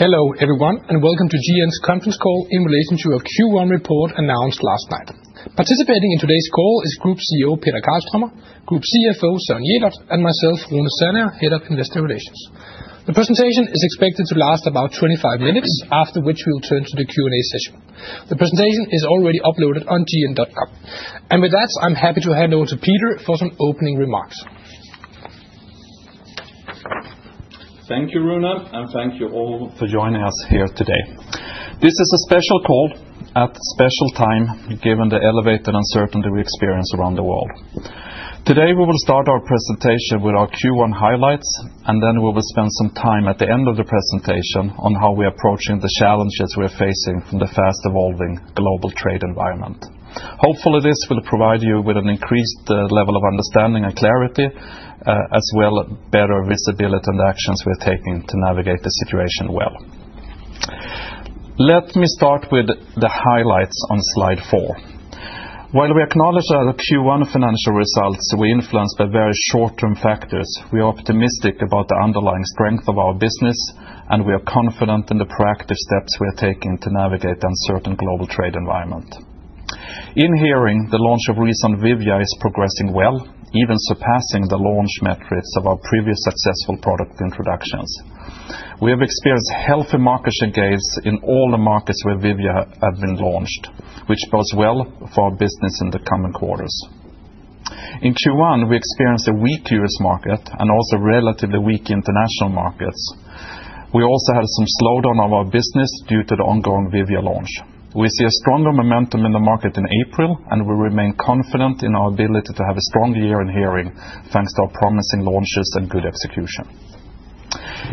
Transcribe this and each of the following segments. Hello everyone, and welcome to GN's conference call in relation to a Q1 report announced last night. Participating in today's call is Group CEO Peter Karlströmer, Group CFO Søren Jelert, and myself, Rune Sandager, Head of Investor Relations. The presentation is expected to last about 25 minutes, after which we will turn to the Q&A session. The presentation is already uploaded on gn.com. With that, I'm happy to hand over to Peter for some opening remarks. Thank you, Rune, and thank you all for joining us here today. This is a special call at a special time given the elevated uncertainty we experience around the world. Today we will start our presentation with our Q1 highlights, and then we will spend some time at the end of the presentation on how we are approaching the challenges we are facing from the fast-evolving global trade environment. Hopefully, this will provide you with an increased level of understanding and clarity, as well as better visibility on the actions we are taking to navigate the situation well. Let me start with the highlights on slide four. While we acknowledge that our Q1 financial results were influenced by very short-term factors, we are optimistic about the underlying strength of our business, and we are confident in the proactive steps we are taking to navigate the uncertain global trade environment. In hearing, the launch of ReSound Vivia is progressing well, even surpassing the launch metrics of our previous successful product introductions. We have experienced healthy market share gains in all the markets where Vivia has been launched, which bodes well for our business in the coming quarters. In Q1, we experienced a weak US market and also relatively weak international markets. We also had some slowdown of our business due to the ongoing Vivia launch. We see a stronger momentum in the market in April, and we remain confident in our ability to have a strong year in hearing thanks to our promising launches and good execution.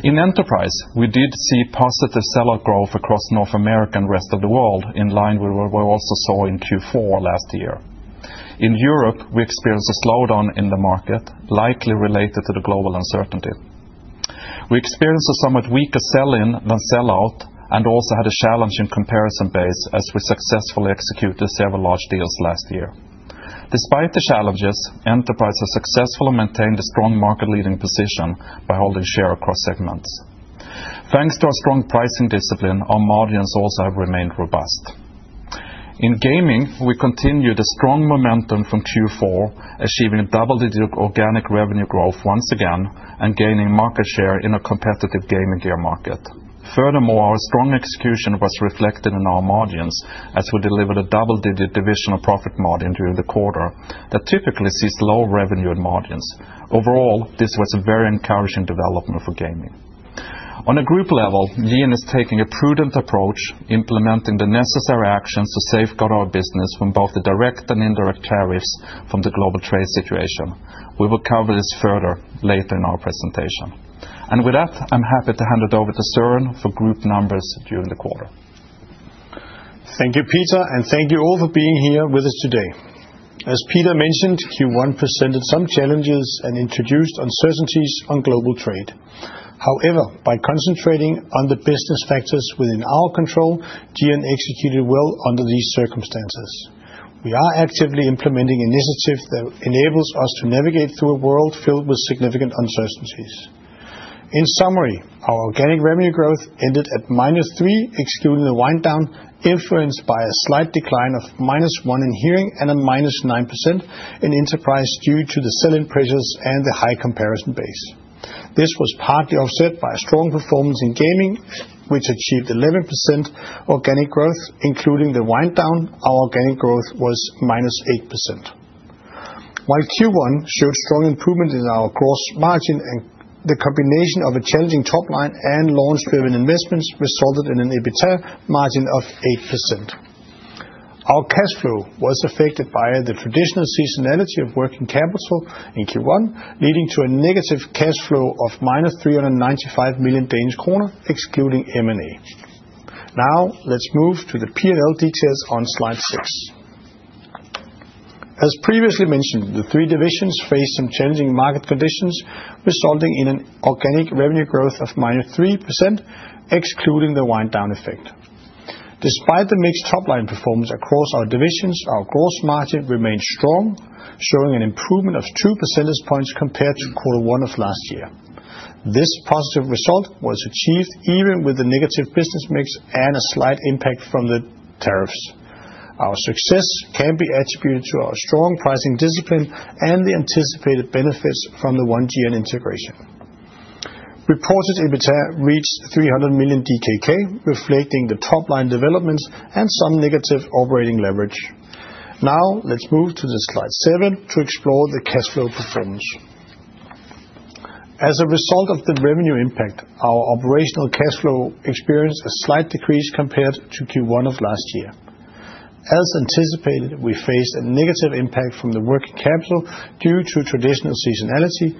In enterprise, we did see positive sell-out growth across North America and the rest of the world, in line with what we also saw in Q4 last year. In Europe, we experienced a slowdown in the market, likely related to the global uncertainty. We experienced a somewhat weaker sell-in than sell-out, and also had a challenge in comparison base as we successfully executed several large deals last year. Despite the challenges, enterprise successfully maintained a strong market-leading position by holding share across segments. Thanks to our strong pricing discipline, our margins also have remained robust. In gaming, we continued a strong momentum from Q4, achieving double-digit organic revenue growth once again and gaining market share in a competitive gaming gear market. Furthermore, our strong execution was reflected in our margins as we delivered a double-digit divisional profit margin during the quarter that typically sees low revenue in margins. Overall, this was a very encouraging development for gaming. On a group level, GN is taking a prudent approach, implementing the necessary actions to safeguard our business from both the direct and indirect tariffs from the global trade situation. We will cover this further later in our presentation. With that, I'm happy to hand it over to Søren for group numbers during the quarter. Thank you, Peter, and thank you all for being here with us today. As Peter mentioned, Q1 presented some challenges and introduced uncertainties on global trade. However, by concentrating on the business factors within our control, GN executed well under these circumstances. We are actively implementing initiatives that enable us to navigate through a world filled with significant uncertainties. In summary, our organic revenue growth ended at -3%, excluding the wind-down, influenced by a slight decline of -1% in hearing and a -9% in enterprise due to the sell-in pressures and the high comparison base. This was partly offset by a strong performance in gaming, which achieved 11% organic growth. Including the wind-down, our organic growth was -8%. While Q1 showed strong improvement in our gross margin, the combination of a challenging top line and launch-driven investments resulted in an EBITDA margin of 8%. Our cash flow was affected by the traditional seasonality of working capital in Q1, leading to a negative cash flow of 395 million Danish kroner, excluding M&A. Now, let's move to the P&L details on slide six. As previously mentioned, the three divisions faced some challenging market conditions, resulting in an organic revenue growth of -3%, excluding the wind-down effect. Despite the mixed top line performance across our divisions, our gross margin remained strong, showing an improvement of 2 percentage points compared to quarter one of last year. This positive result was achieved even with the negative business mix and a slight impact from the tariffs. Our success can be attributed to our strong pricing discipline and the anticipated benefits from the One GN integration. Reported EBITDA reached 300 million DKK, reflecting the top line developments and some negative operating leverage. Now, let's move to slide seven to explore the cash flow performance. As a result of the revenue impact, our operational cash flow experienced a slight decrease compared to Q1 of last year. As anticipated, we faced a negative impact from the working capital due to traditional seasonality,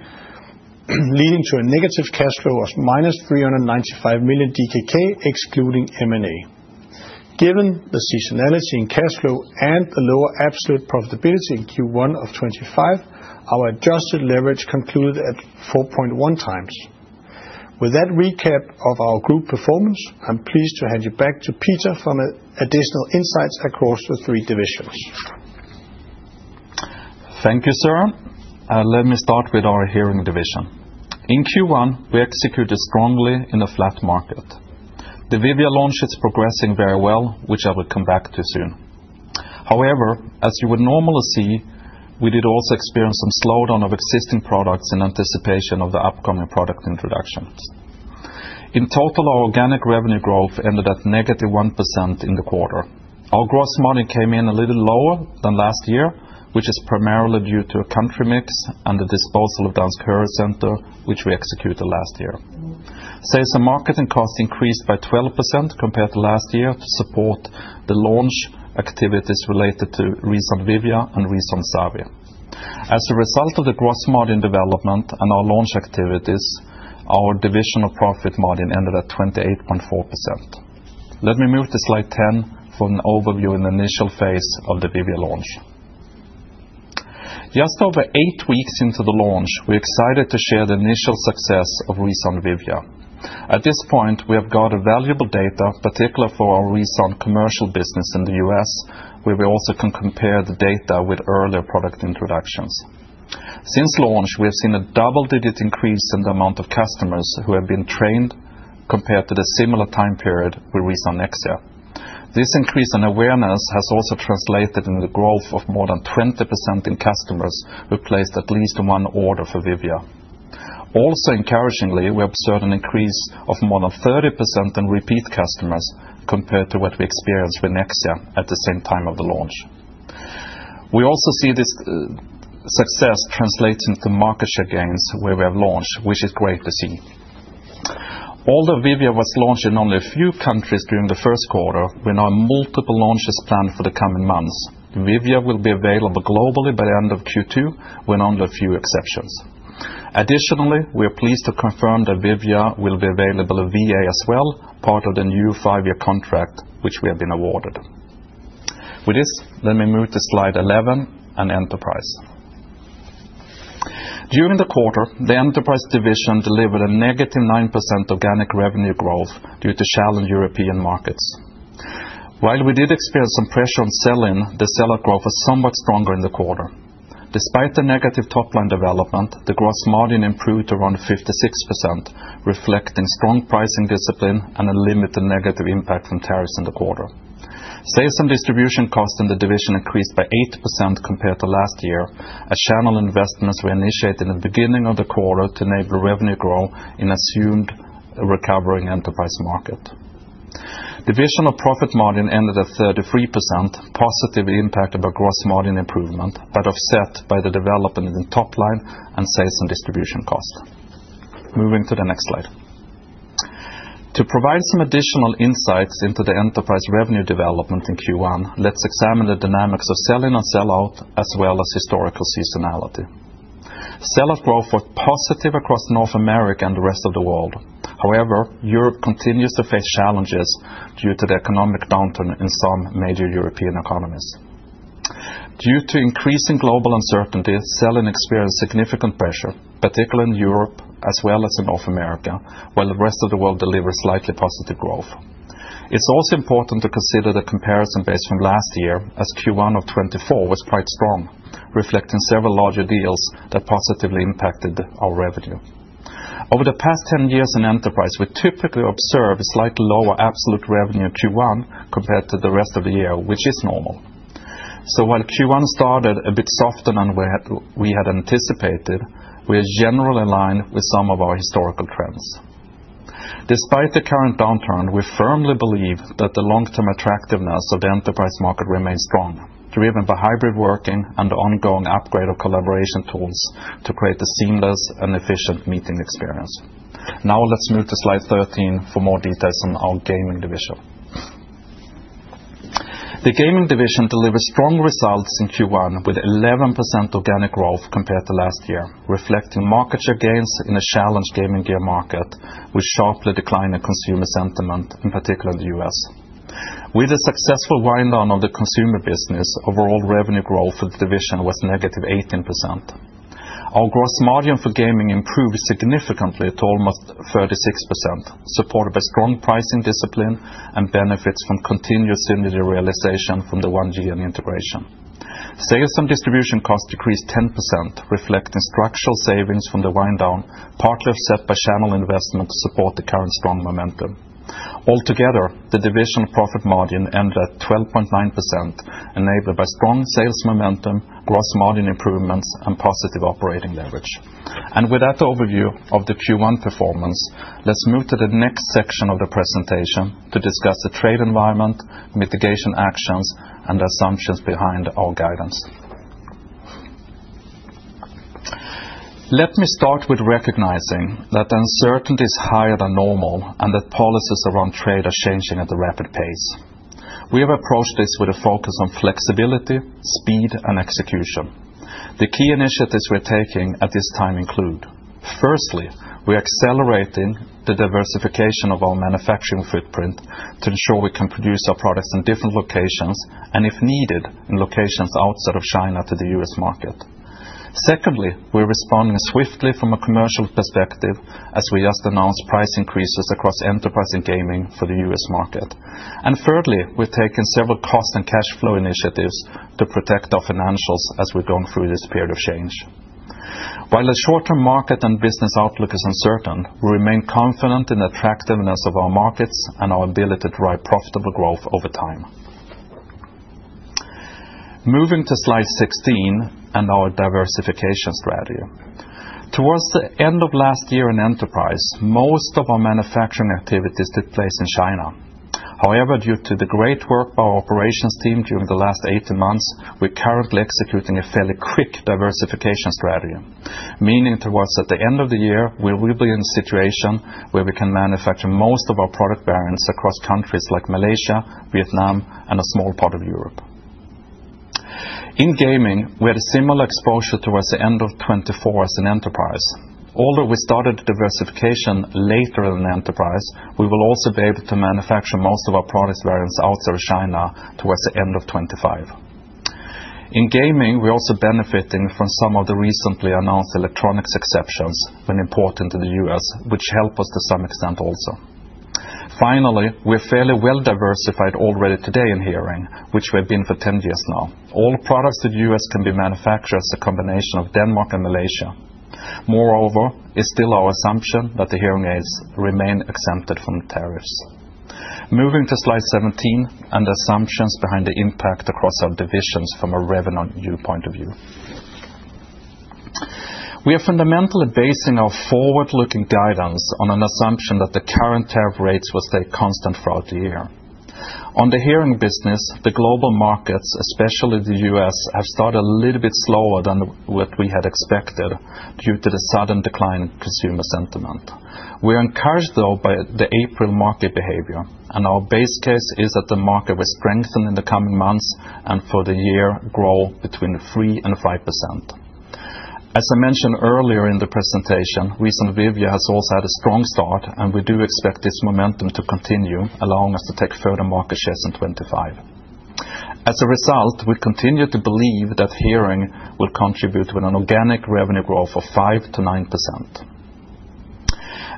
leading to a negative cash flow of 395 million DKK, excluding M&A. Given the seasonality in cash flow and the lower absolute profitability in Q1 of 2025, our adjusted leverage concluded at 4.1 times. With that recap of our group performance, I'm pleased to hand you back to Peter for additional insights across the three divisions. Thank you, Søren. Let me start with our hearing division. In Q1, we executed strongly in a flat market. The Vivia launch is progressing very well, which I will come back to soon. However, as you would normally see, we did also experience some slowdown of existing products in anticipation of the upcoming product introductions. In total, our organic revenue growth ended at -1% in the quarter. Our gross margin came in a little lower than last year, which is primarily due to a country mix and the disposal of Dansk HøreCenter, which we executed last year. Sales and marketing costs increased by 12% compared to last year to support the launch activities related to ReSound Vivia and ReSound Savi. As a result of the gross margin development and our launch activities, our divisional profit margin ended at 28.4%. Let me move to slide 10 for an overview in the initial phase of the Vivia launch. Just over eight weeks into the launch, we're excited to share the initial success of ReSound Vivia. At this point, we have got valuable data, particularly for our ReSound commercial business in the US, where we also can compare the data with earlier product introductions. Since launch, we have seen a double-digit increase in the amount of customers who have been trained compared to the similar time period with ReSound Nexia. This increase in awareness has also translated into the growth of more than 20% in customers who placed at least one order for Vivia. Also, encouragingly, we observed an increase of more than 30% in repeat customers compared to what we experienced with Nexia at the same time of the launch. We also see this success translating to market share gains where we have launched, which is great to see. Although Vivia was launched in only a few countries during the first quarter, we now have multiple launches planned for the coming months. Vivia will be available globally by the end of Q2, with only a few exemptions. Additionally, we are pleased to confirm that Vivia will be available via VA as well, part of the new five-year contract which we have been awarded. With this, let me move to slide 11 and enterprise. During the quarter, the enterprise division delivered a negative 9% organic revenue growth due to challenged European markets. While we did experience some pressure on sell-in, the sell-out growth was somewhat stronger in the quarter. Despite the negative top line development, the gross margin improved to around 56%, reflecting strong pricing discipline and a limited negative impact from tariffs in the quarter. Sales and distribution costs in the division increased by 8% compared to last year, as channel investments were initiated in the beginning of the quarter to enable revenue growth in assumed recovering enterprise market. Divisional profit margin ended at 33%, positive impact of our gross margin improvement, but offset by the development in top line and sales and distribution cost. Moving to the next slide. To provide some additional insights into the enterprise revenue development in Q1, let's examine the dynamics of sell-in and sell-out, as well as historical seasonality. Sell-out growth was positive across North America and the rest of the world. However, Europe continues to face challenges due to the economic downturn in some major European economies. Due to increasing global uncertainty, sell-in experienced significant pressure, particularly in Europe as well as in North America, while the rest of the world delivered slightly positive growth. It is also important to consider the comparison base from last year, as Q1 of 2024 was quite strong, reflecting several larger deals that positively impacted our revenue. Over the past 10 years in enterprise, we typically observe a slightly lower absolute revenue Q1 compared to the rest of the year, which is normal. While Q1 started a bit softer than we had anticipated, we are generally aligned with some of our historical trends. Despite the current downturn, we firmly believe that the long-term attractiveness of the enterprise market remains strong, driven by hybrid working and the ongoing upgrade of collaboration tools to create a seamless and efficient meeting experience. Now, let's move to slide 13 for more details on our gaming division. The gaming division delivered strong results in Q1 with 11% organic growth compared to last year, reflecting market share gains in a challenged gaming gear market, which sharply declined in consumer sentiment, in particular in the U.S. With the successful wind-down of the consumer business, overall revenue growth for the division was negative 18%. Our gross margin for gaming improved significantly to almost 36%, supported by strong pricing discipline and benefits from continuous unit realization from the One GN integration. Sales and distribution costs decreased 10%, reflecting structural savings from the wind-down, partly offset by channel investments to support the current strong momentum. Altogether, the division profit margin ended at 12.9%, enabled by strong sales momentum, gross margin improvements, and positive operating leverage. With that overview of the Q1 performance, let's move to the next section of the presentation to discuss the trade environment, mitigation actions, and the assumptions behind our guidance. Let me start with recognizing that uncertainty is higher than normal and that policies around trade are changing at a rapid pace. We have approached this with a focus on flexibility, speed, and execution. The key initiatives we're taking at this time include, firstly, we are accelerating the diversification of our manufacturing footprint to ensure we can produce our products in different locations and, if needed, in locations outside of China to the US market. Secondly, we're responding swiftly from a commercial perspective as we just announced price increases across enterprise and gaming for the US market. Thirdly, we've taken several cost and cash flow initiatives to protect our financials as we're going through this period of change. While the short-term market and business outlook is uncertain, we remain confident in the attractiveness of our markets and our ability to drive profitable growth over time. Moving to slide 16 and our diversification strategy. Towards the end of last year in enterprise, most of our manufacturing activities took place in China. However, due to the great work by our operations team during the last 18 months, we're currently executing a fairly quick diversification strategy, meaning towards at the end of the year, we will be in a situation where we can manufacture most of our product variants across countries like Malaysia, Vietnam, and a small part of Europe. In gaming, we had a similar exposure towards the end of 2024 as in enterprise. Although we started diversification later in enterprise, we will also be able to manufacture most of our product variants outside of China towards the end of 2025. In gaming, we're also benefiting from some of the recently announced electronics exceptions when importing to the U.S., which help us to some extent also. Finally, we're fairly well diversified already today in hearing, which we have been for 10 years now. All products to the U.S. can be manufactured as a combination of Denmark and Malaysia. Moreover, it's still our assumption that the hearing aids remain exempted from tariffs. Moving to slide 17 and the assumptions behind the impact across our divisions from a revenue point of view. We are fundamentally basing our forward-looking guidance on an assumption that the current tariff rates will stay constant throughout the year. On the hearing business, the global markets, especially the U.S., have started a little bit slower than what we had expected due to the sudden decline in consumer sentiment. We are encouraged, though, by the April market behavior, and our base case is that the market will strengthen in the coming months and for the year grow between 3% and 5%. As I mentioned earlier in the presentation, ReSound Vivia has also had a strong start, and we do expect this momentum to continue, allowing us to take further market shares in 2025. As a result, we continue to believe that hearing will contribute to an organic revenue growth of 5% to 9%.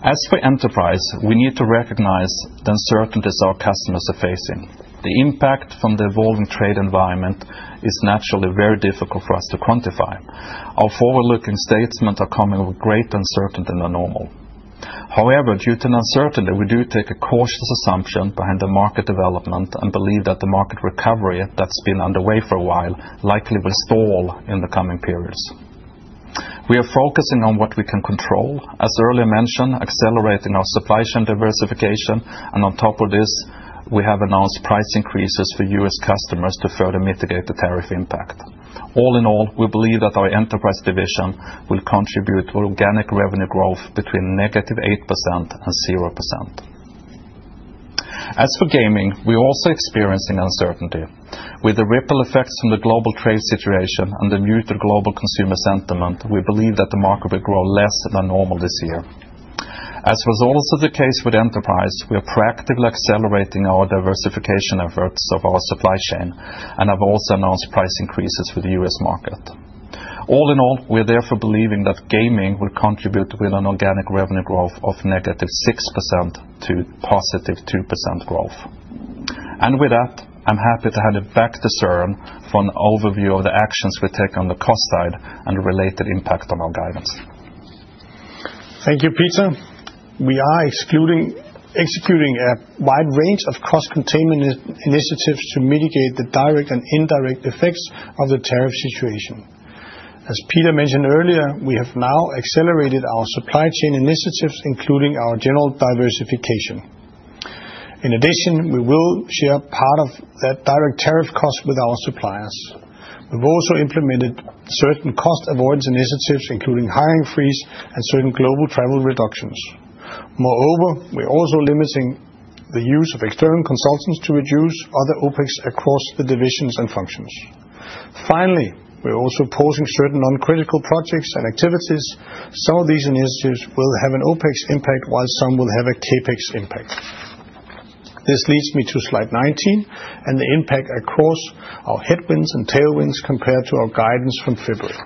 As for enterprise, we need to recognize the uncertainties our customers are facing. The impact from the evolving trade environment is naturally very difficult for us to quantify. Our forward-looking statements are coming with greater uncertainty than normal. However, due to uncertainty, we do take a cautious assumption behind the market development and believe that the market recovery that's been underway for a while likely will stall in the coming periods. We are focusing on what we can control, as earlier mentioned, accelerating our supply chain diversification, and on top of this, we have announced price increases for US customers to further mitigate the tariff impact. All in all, we believe that our enterprise division will contribute to organic revenue growth between -8% and 0%. As for gaming, we are also experiencing uncertainty. With the ripple effects from the global trade situation and the muted global consumer sentiment, we believe that the market will grow less than normal this year. As was also the case with enterprise, we are practically accelerating our diversification efforts of our supply chain and have also announced price increases for the US market. All in all, we are therefore believing that gaming will contribute with an organic revenue growth of -6% to 2% growth. With that, I'm happy to hand it back to Søren for an overview of the actions we take on the cost side and the related impact on our guidance. Thank you, Peter. We are executing a wide range of cost-containment initiatives to mitigate the direct and indirect effects of the tariff situation. As Peter mentioned earlier, we have now accelerated our supply chain initiatives, including our general diversification. In addition, we will share part of that direct tariff cost with our suppliers. We've also implemented certain cost avoidance initiatives, including a hiring freeze and certain global travel reductions. Moreover, we're also limiting the use of external consultants to reduce other OPEX across the divisions and functions. Finally, we're also pausing certain non-critical projects and activities. Some of these initiatives will have an OPEX impact, while some will have a CAPEX impact. This leads me to slide 19 and the impact across our headwinds and tailwinds compared to our guidance from February.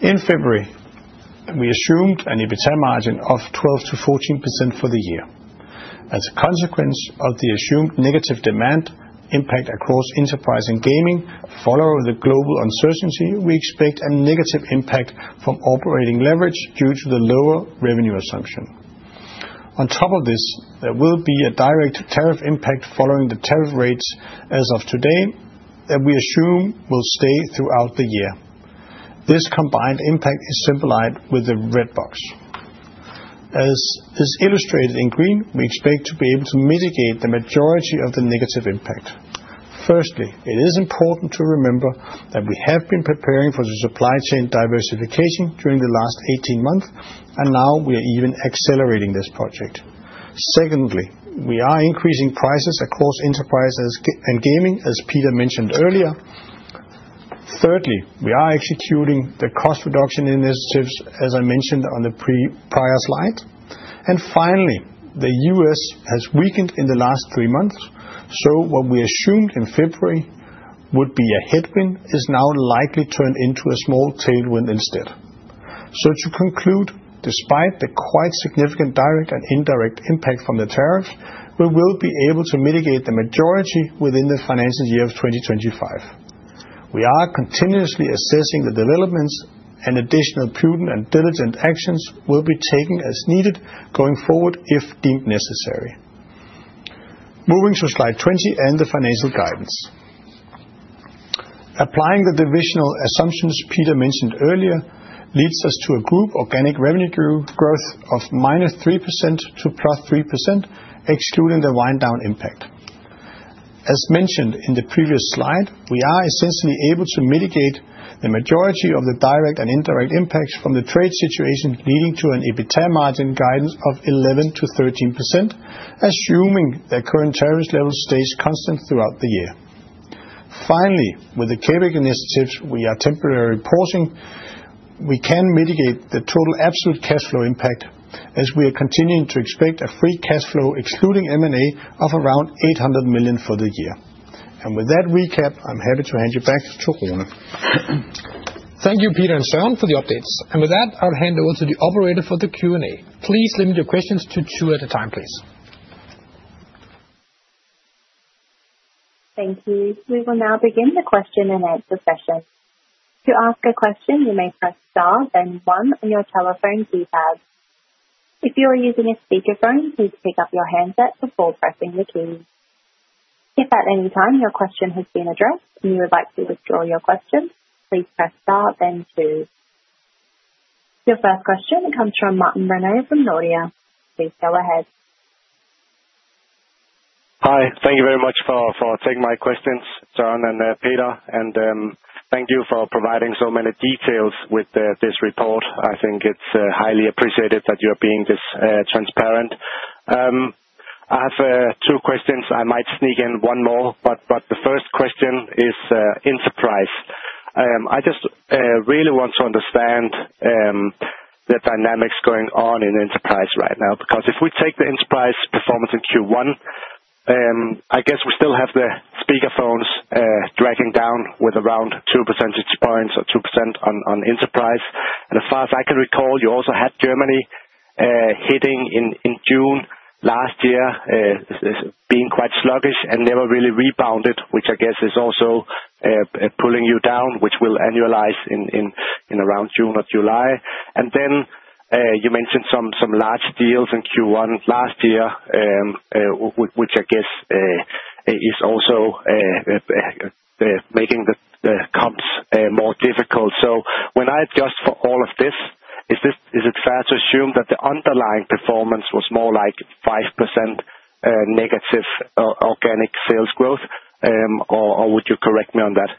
In February, we assumed an EBITDA margin of 12%-14% for the year. As a consequence of the assumed negative demand impact across enterprise and gaming, following the global uncertainty, we expect a negative impact from operating leverage due to the lower revenue assumption. On top of this, there will be a direct tariff impact following the tariff rates as of today that we assume will stay throughout the year. This combined impact is symbolized with the red box. As is illustrated in green, we expect to be able to mitigate the majority of the negative impact. Firstly, it is important to remember that we have been preparing for the supply chain diversification during the last 18 months, and now we are even accelerating this project. Secondly, we are increasing prices across enterprise and gaming, as Peter mentioned earlier. Thirdly, we are executing the cost reduction initiatives, as I mentioned on the prior slide. Finally, the U.S. has weakened in the last three months, so what we assumed in February would be a headwind is now likely turned into a small tailwind instead. To conclude, despite the quite significant direct and indirect impact from the tariffs, we will be able to mitigate the majority within the financial year of 2025. We are continuously assessing the developments, and additional prudent and diligent actions will be taken as needed going forward if deemed necessary. Moving to slide 20 and the financial guidance. Applying the divisional assumptions Peter mentioned earlier leads us to a group organic revenue growth of -3% to +3%, excluding the wind-down impact. As mentioned in the previous slide, we are essentially able to mitigate the majority of the direct and indirect impacts from the trade situation, leading to an EBITDA margin guidance of 11%-13%, assuming the current tariff level stays constant throughout the year. Finally, with the CAPEX initiatives we are temporarily pausing, we can mitigate the total absolute cash flow impact, as we are continuing to expect a free cash flow, excluding M&A, of around 800 million for the year. With that recap, I'm happy to hand you back to Rune. Thank you, Peter and Søren, for the updates. With that, I'll hand over to the operator for the Q&A. Please limit your questions to two at a time, please. Thank you. We will now begin the question and answer session. To ask a question, you may press star then 1 on your telephone keypad. If you are using a speakerphone, please pick up your handset before pressing the key. If at any time your question has been addressed and you would like to withdraw your question, please press star then 2. Your first question comes from Martin Renaud from Nordea. Please go ahead. Hi. Thank you very much for taking my questions, Søren and Peter. Thank you for providing so many details with this report. I think it is highly appreciated that you are being this transparent. I have two questions. I might sneak in one more, but the first question is enterprise. I just really want to understand the dynamics going on in enterprise right now, because if we take the enterprise performance in Q1, I guess we still have the speakerphones dragging down with around 2 percentage points or 2% on enterprise. As far as I can recall, you also had Germany hitting in June last year, being quite sluggish and never really rebounded, which I guess is also pulling you down, which will annualize in around June or July. You mentioned some large deals in Q1 last year, which I guess is also making the comps more difficult. When I adjust for all of this, is it fair to assume that the underlying performance was more like 5% negative organic sales growth, or would you correct me on that?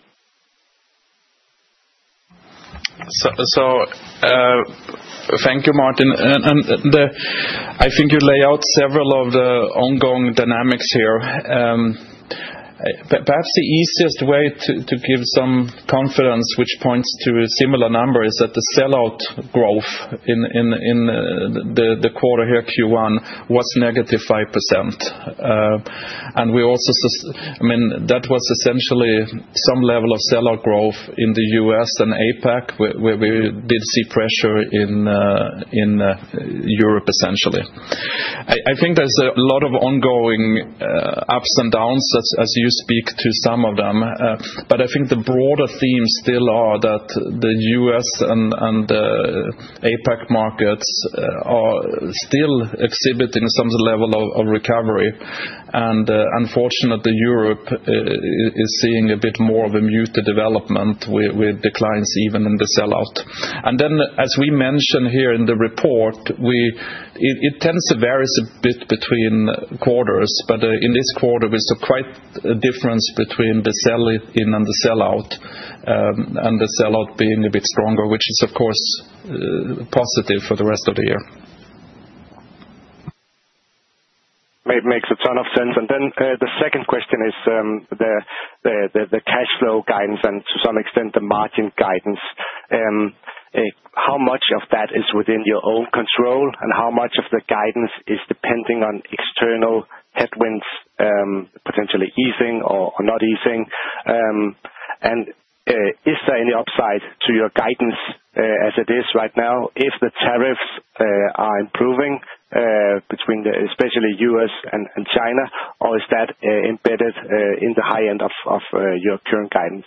Thank you, Martin. I think you lay out several of the ongoing dynamics here. Perhaps the easiest way to give some confidence, which points to a similar number, is that the sell-out growth in the quarter here, Q1, was negative 5%. We also, I mean, that was essentially some level of sell-out growth in the U.S. and APAC, where we did see pressure in Europe, essentially. I think there is a lot of ongoing ups and downs as you speak to some of them, but I think the broader themes still are that the U.S. and the APAC markets are still exhibiting some level of recovery. Unfortunately, Europe is seeing a bit more of a muted development with declines even in the sell-out. As we mentioned here in the report, it tends to vary a bit between quarters, but in this quarter, we saw quite a difference between the sell-in and the sell-out, and the sell-out being a bit stronger, which is, of course, positive for the rest of the year. It makes a ton of sense. The second question is the cash flow guidance and, to some extent, the margin guidance. How much of that is within your own control, and how much of the guidance is depending on external headwinds, potentially easing or not easing? Is there any upside to your guidance as it is right now if the tariffs are improving, especially US and China? Or is that embedded in the high end of your current guidance?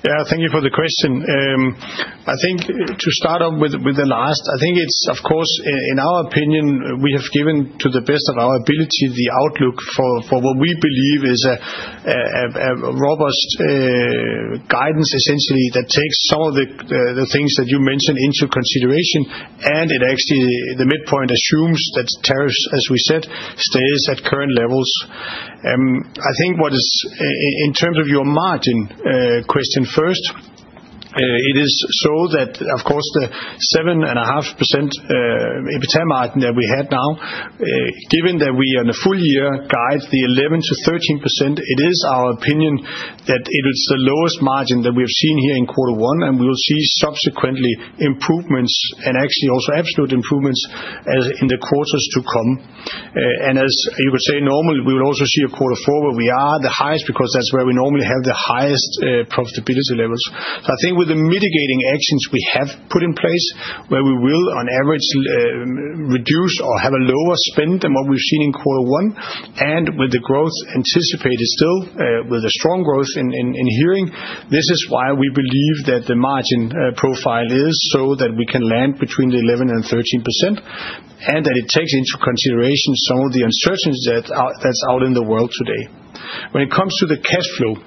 Yeah, thank you for the question. I think to start off with the last, I think it's, of course, in our opinion, we have given to the best of our ability the outlook for what we believe is a robust guidance, essentially, that takes some of the things that you mentioned into consideration. It actually, the midpoint assumes that tariffs, as we said, stays at current levels. I think what is, in terms of your margin question first, it is so that, of course, the 7.5% EBITDA margin that we had now, given that we are on a full-year guide, the 11%-13%, it is our opinion that it is the lowest margin that we have seen here in quarter one, and we will see subsequently improvements and actually also absolute improvements in the quarters to come. You could say, normally, we will also see a quarter four where we are the highest, because that is where we normally have the highest profitability levels. I think with the mitigating actions we have put in place, where we will, on average, reduce or have a lower spend than what we have seen in quarter one, and with the growth anticipated still, with the strong growth in hearing, this is why we believe that the margin profile is so that we can land between 11%-13%, and that it takes into consideration some of the uncertainty that is out in the world today. When it comes to the cash flow,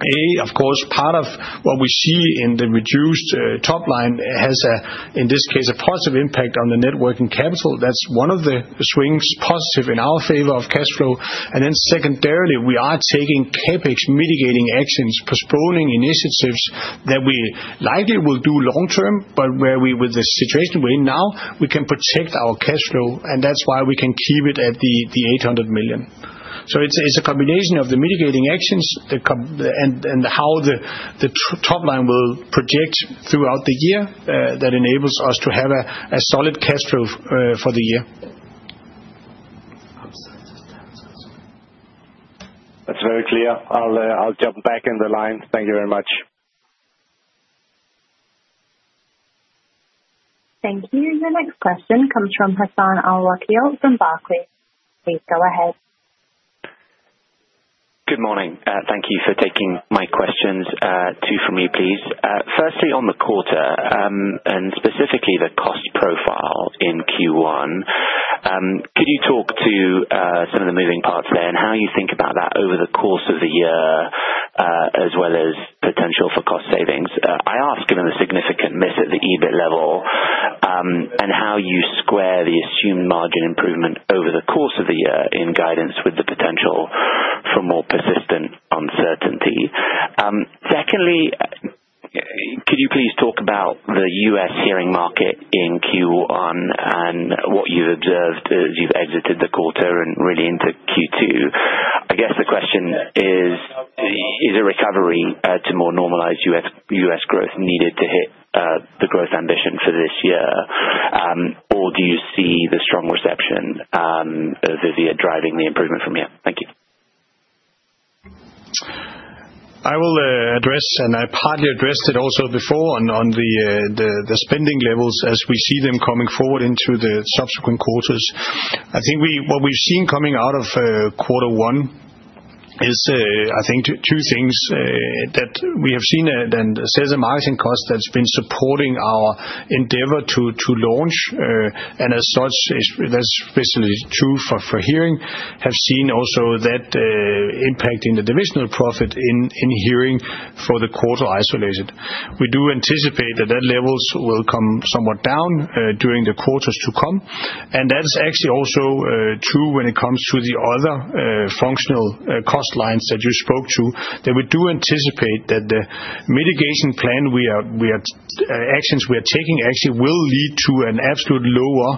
A, of course, part of what we see in the reduced top line has, in this case, a positive impact on the net working capital. That is one of the swings positive in our favor of cash flow. Secondarily, we are taking CAPEX mitigating actions, postponing initiatives that we likely will do long term, but where we, with the situation we're in now, we can protect our cash flow, and that's why we can keep it at 800 million. It is a combination of the mitigating actions and how the top line will project throughout the year that enables us to have a solid cash flow for the year. That's very clear. I'll jump back in the line. Thank you very much. Thank you. Your next question comes from Hassan Al-Wakeel from Barclays. Please go ahead. Good morning. Thank you for taking my questions. Two for me, please. Firstly, on the quarter, and specifically the cost profile in Q1, could you talk to some of the moving parts there and how you think about that over the course of the year, as well as potential for cost savings? I ask given the significant miss at the EBIT level and how you square the assumed margin improvement over the course of the year in guidance with the potential for more persistent uncertainty. Secondly, could you please talk about the US hearing market in Q1 and what you've observed as you've exited the quarter and really into Q2? I guess the question is, is a recovery to more normalized US growth needed to hit the growth ambition for this year, or do you see the strong reception of Vivia driving the improvement from here? Thank you. I will address, and I partly addressed it also before on the spending levels as we see them coming forward into the subsequent quarters. I think what we've seen coming out of quarter one is, I think, two things that we have seen and says the margin cost that's been supporting our endeavor to launch. As such, that's basically true for hearing, have seen also that impact in the divisional profit in hearing for the quarter isolated. We do anticipate that that level will come somewhat down during the quarters to come. That's actually also true when it comes to the other functional cost lines that you spoke to, that we do anticipate that the mitigation plan we are actions we are taking actually will lead to an absolute lower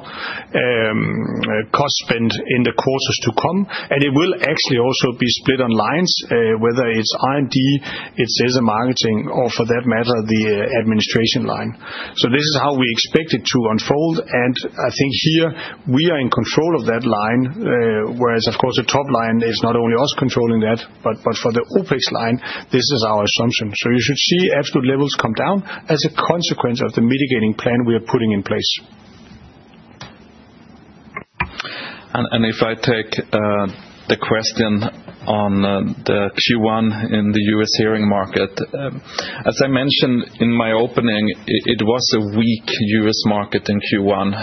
cost spend in the quarters to come. It will actually also be split on lines, whether it's R&D, it's as a marketing, or for that matter, the administration line. This is how we expect it to unfold. I think here we are in control of that line, whereas, of course, the top line is not only us controlling that, but for the OPEX line, this is our assumption. You should see absolute levels come down as a consequence of the mitigating plan we are putting in place. If I take the question on the Q1 in the U.S. hearing market, as I mentioned in my opening, it was a weak U.S. market in Q1.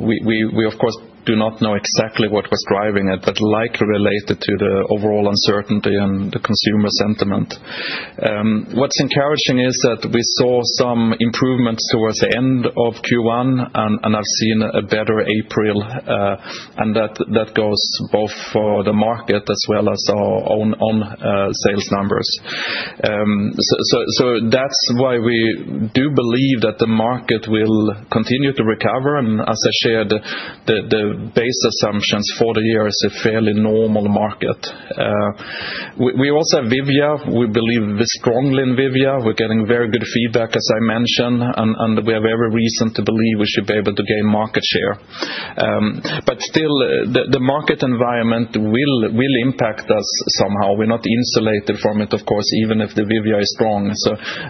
We, of course, do not know exactly what was driving it, but likely related to the overall uncertainty and the consumer sentiment. What is encouraging is that we saw some improvements towards the end of Q1, and I have seen a better April. That goes both for the market as well as our own sales numbers. That is why we do believe that the market will continue to recover. As I shared, the base assumptions for the year is a fairly normal market. We also have Vivia. We believe strongly in Vivia. We are getting very good feedback, as I mentioned, and we are very reasoned to believe we should be able to gain market share. Still, the market environment will impact us somehow. We're not insulated from it, of course, even if the Vivia is strong.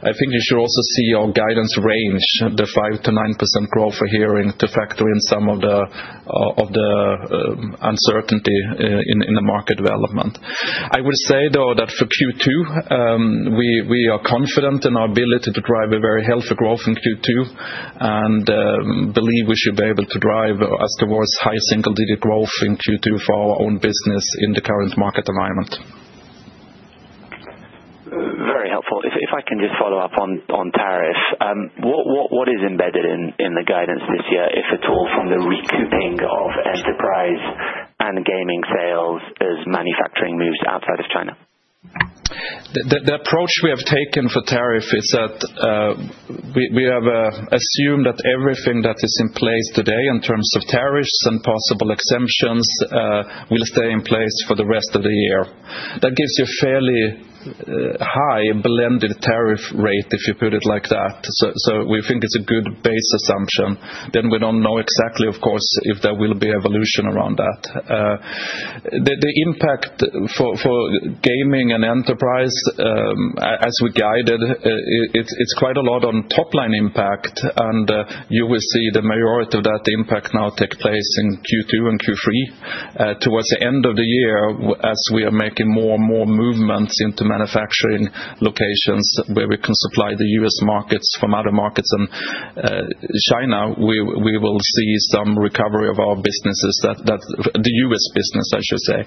I think you should also see our guidance range, the 5%-9% growth for hearing, to factor in some of the uncertainty in the market development. I would say, though, that for Q2, we are confident in our ability to drive a very healthy growth in Q2 and believe we should be able to drive us towards high single-digit growth in Q2 for our own business in the current market environment. Very helpful. If I can just follow up on tariffs, what is embedded in the guidance this year, if at all, from the recouping of enterprise and gaming sales as manufacturing moves outside of China? The approach we have taken for tariff is that we have assumed that everything that is in place today in terms of tariffs and possible exemptions will stay in place for the rest of the year. That gives you a fairly high blended tariff rate, if you put it like that. We think it's a good base assumption. We don't know exactly, of course, if there will be evolution around that. The impact for gaming and enterprise, as we guided, it's quite a lot on top line impact. You will see the majority of that impact now take place in Q2 and Q3 towards the end of the year as we are making more and more movements into manufacturing locations where we can supply the US markets from other markets. In China, we will see some recovery of our businesses, the US business, I should say.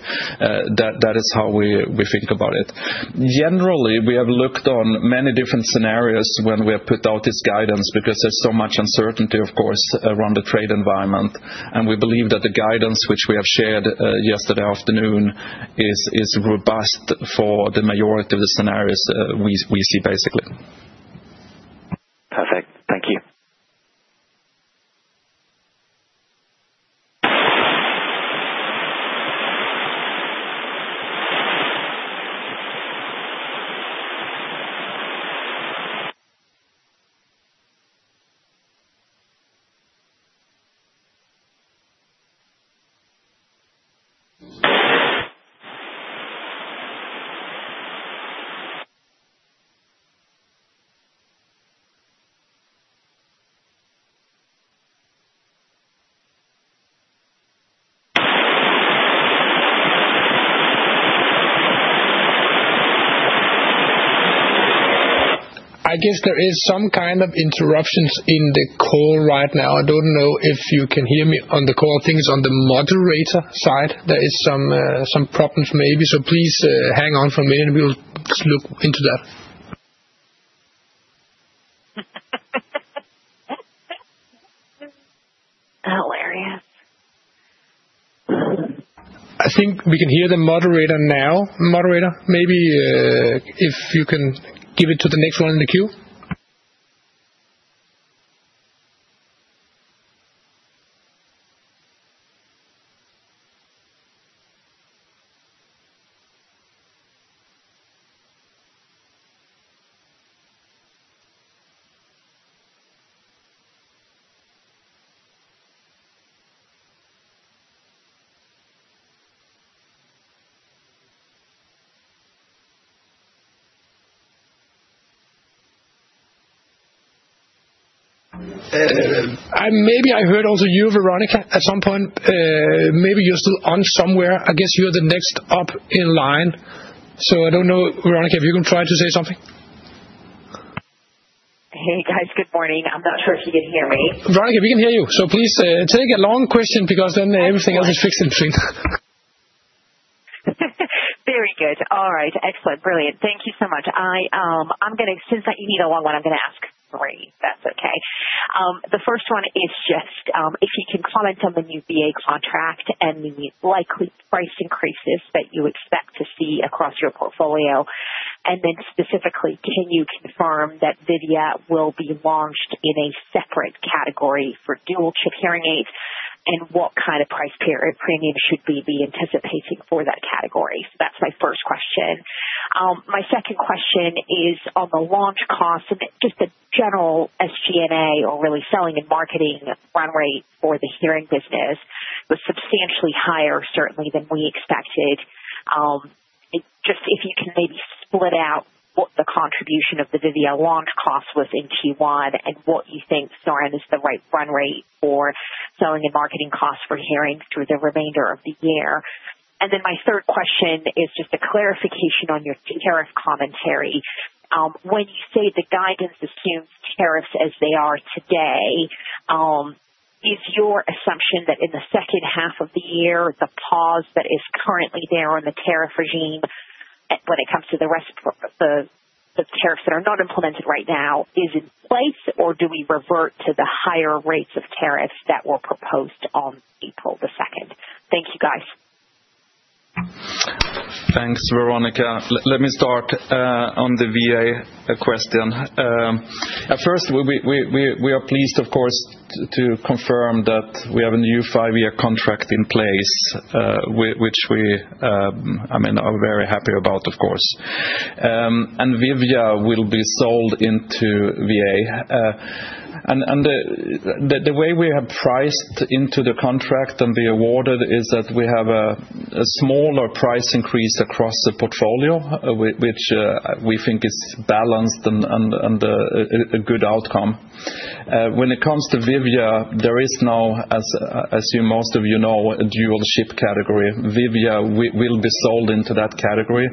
That is how we think about it. Generally, we have looked on many different scenarios when we have put out this guidance because there is so much uncertainty, of course, around the trade environment. We believe that the guidance, which we have shared yesterday afternoon, is robust for the majority of the scenarios we see, basically. Perfect. Thank you. I guess there is some kind of interruptions in the call right now. I don't know if you can hear me on the call. I think it's on the moderator side. There is some problems, maybe. Please hang on for a minute. We'll look into that. Hilarious. I think we can hear the moderator now. Moderator, maybe if you can give it to the next one in the queue. Maybe I heard also you, Veronika, at some point. Maybe you're still on somewhere. I guess you're the next up in line. I don't know, Veronika, if you can try to say something. Hey, guys. Good morning. I'm not sure if you can hear me. Veronika, we can hear you. Please take a long question because then everything else is fixed in between. Very good. All right. Excellent. Brilliant. Thank you so much. Since you need a long one, I'm going to ask three. That's okay. The first one is just if you can comment on the new VA contract and the likely price increases that you expect to see across your portfolio. Then specifically, can you confirm that Vivia will be launched in a separate category for dual chip hearing aids and what kind of price premium should we be anticipating for that category? That's my first question. My second question is on the launch cost and just the general SG&A or really selling and marketing run rate for the hearing business was substantially higher, certainly, than we expected. Just if you can maybe split out what the contribution of the Vivia launch cost was in Q1 and what you think, Søren, is the right run rate for selling and marketing costs for hearing through the remainder of the year. My third question is just a clarification on your tariff commentary. When you say the guidance assumes tariffs as they are today, is your assumption that in the second half of the year, the pause that is currently there on the tariff regime when it comes to the tariffs that are not implemented right now is in place, or do we revert to the higher rates of tariffs that were proposed on April the 2nd? Thank you, guys. Thanks, Veronika. Let me start on the VA question. First, we are pleased, of course, to confirm that we have a new five-year contract in place, which we, I mean, are very happy about, of course. And Vivia will be sold into VA. The way we have priced into the contract and the awarded is that we have a smaller price increase across the portfolio, which we think is balanced and a good outcome. When it comes to Vivia, there is now, as most of you know, a dual chip category. Vivia will be sold into that category.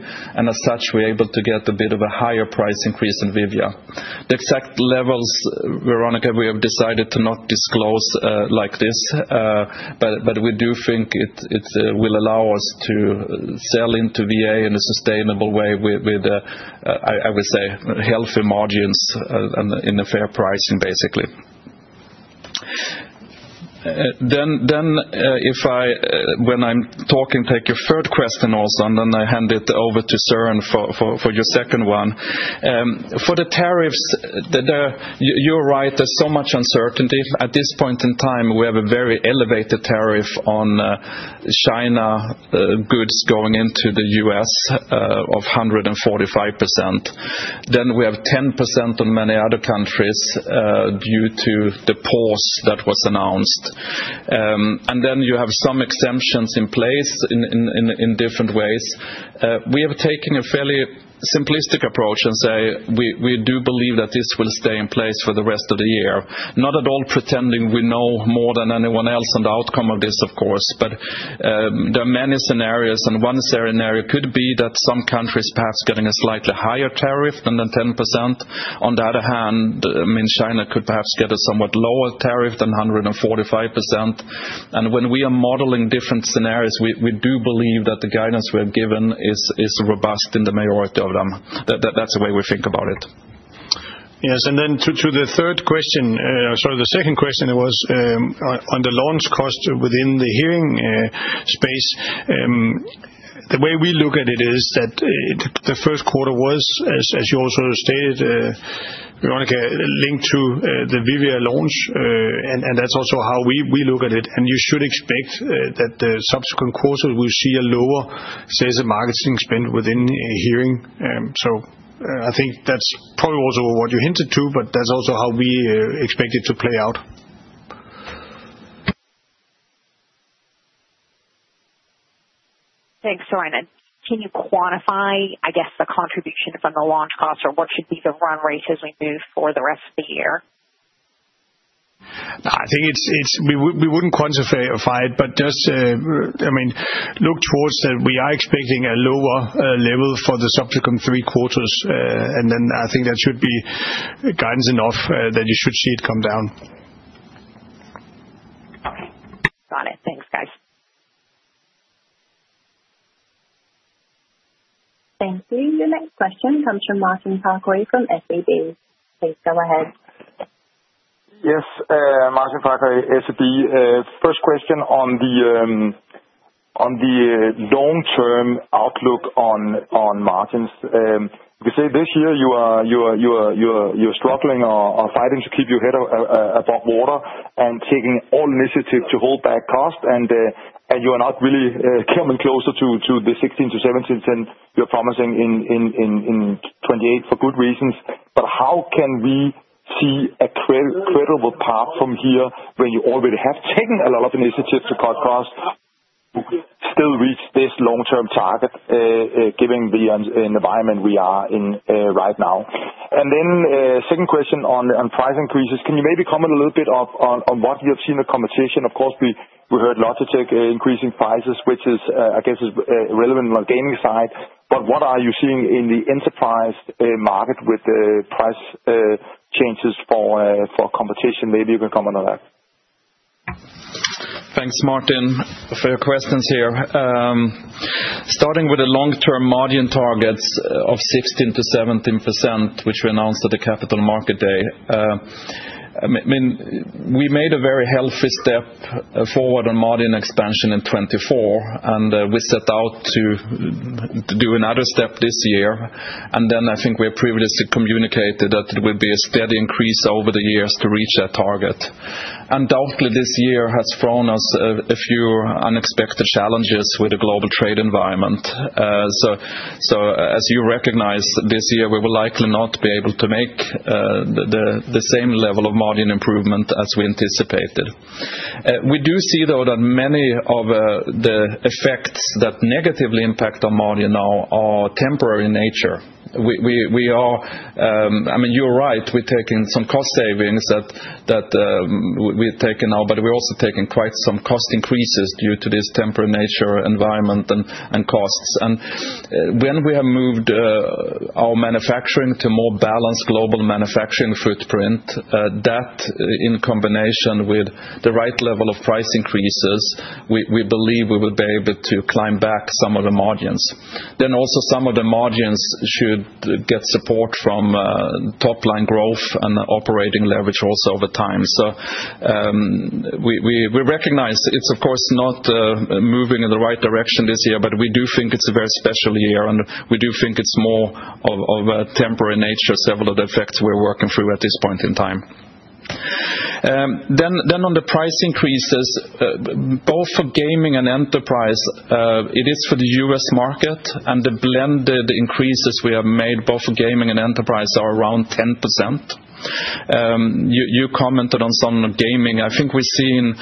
As such, we're able to get a bit of a higher price increase in Vivia. The exact levels, Veronika, we have decided to not disclose like this, but we do think it will allow us to sell into VA in a sustainable way with, I would say, healthy margins and in a fair pricing, basically. When I am talking, take your third question also, and then I hand it over to Søren for your second one. For the tariffs, you are right, there is so much uncertainty. At this point in time, we have a very elevated tariff on China goods going into the U.S. of 145%. We have 10% on many other countries due to the pause that was announced. You have some exemptions in place in different ways. We have taken a fairly simplistic approach and say we do believe that this will stay in place for the rest of the year. Not at all pretending we know more than anyone else on the outcome of this, of course, but there are many scenarios. One scenario could be that some countries perhaps getting a slightly higher tariff than 10%. On the other hand, I mean, China could perhaps get a somewhat lower tariff than 145%. When we are modeling different scenarios, we do believe that the guidance we have given is robust in the majority of them. That's the way we think about it. Yes. To the third question, sorry, the second question was on the launch cost within the hearing space. The way we look at it is that the first quarter was, as you also stated, Veronika, linked to the Vivia launch, and that is also how we look at it. You should expect that the subsequent quarters will see a lower sales and marketing spend within hearing. I think that is probably also what you hinted to, but that is also how we expect it to play out. Thanks, Søren. Can you quantify, I guess, the contribution from the launch cost, or what should be the run rate as we move for the rest of the year? I think we wouldn't quantify it, but just, I mean, look towards that we are expecting a lower level for the subsequent three quarters. I think that should be guidance enough that you should see it come down. Okay. Got it. Thanks, guys. Thank you. Your next question comes from Martin Parkhøi from SEB. Please go ahead. Yes. Martin Parkhøi, SEB. First question on the long-term outlook on margins. You can say this year you're struggling or fighting to keep your head above water and taking all initiatives to hold back costs, and you are not really coming closer to the 16-17% you're promising in 2028 for good reasons. How can we see a credible path from here when you already have taken a lot of initiatives to cut costs to still reach this long-term target, given the environment we are in right now? Second question on price increases. Can you maybe comment a little bit on what you have seen in the competition? Of course, we heard Logitech increasing prices, which is, I guess, relevant on the gaming side. What are you seeing in the enterprise market with the price changes for competition? Maybe you can comment on that. Thanks, Martin, for your questions here. Starting with the long-term margin targets of 16-17%, which we announced at the Capital Market Day, I mean, we made a very healthy step forward on margin expansion in 2024, and we set out to do another step this year. I think we have previously communicated that there will be a steady increase over the years to reach that target. Undoubtedly, this year has thrown us a few unexpected challenges with the global trade environment. As you recognize, this year we will likely not be able to make the same level of margin improvement as we anticipated. We do see, though, that many of the effects that negatively impact our margin now are temporary in nature. I mean, you're right. We're taking some cost savings that we're taking now, but we're also taking quite some cost increases due to this temporary nature environment and costs. When we have moved our manufacturing to a more balanced global manufacturing footprint, that in combination with the right level of price increases, we believe we will be able to climb back some of the margins. Also, some of the margins should get support from top line growth and operating leverage over time. We recognize it's, of course, not moving in the right direction this year, but we do think it's a very special year, and we do think it's more of a temporary nature, several of the effects we're working through at this point in time. On the price increases, both for gaming and enterprise, it is for the US market, and the blended increases we have made both for gaming and enterprise are around 10%. You commented on some gaming. I think we've seen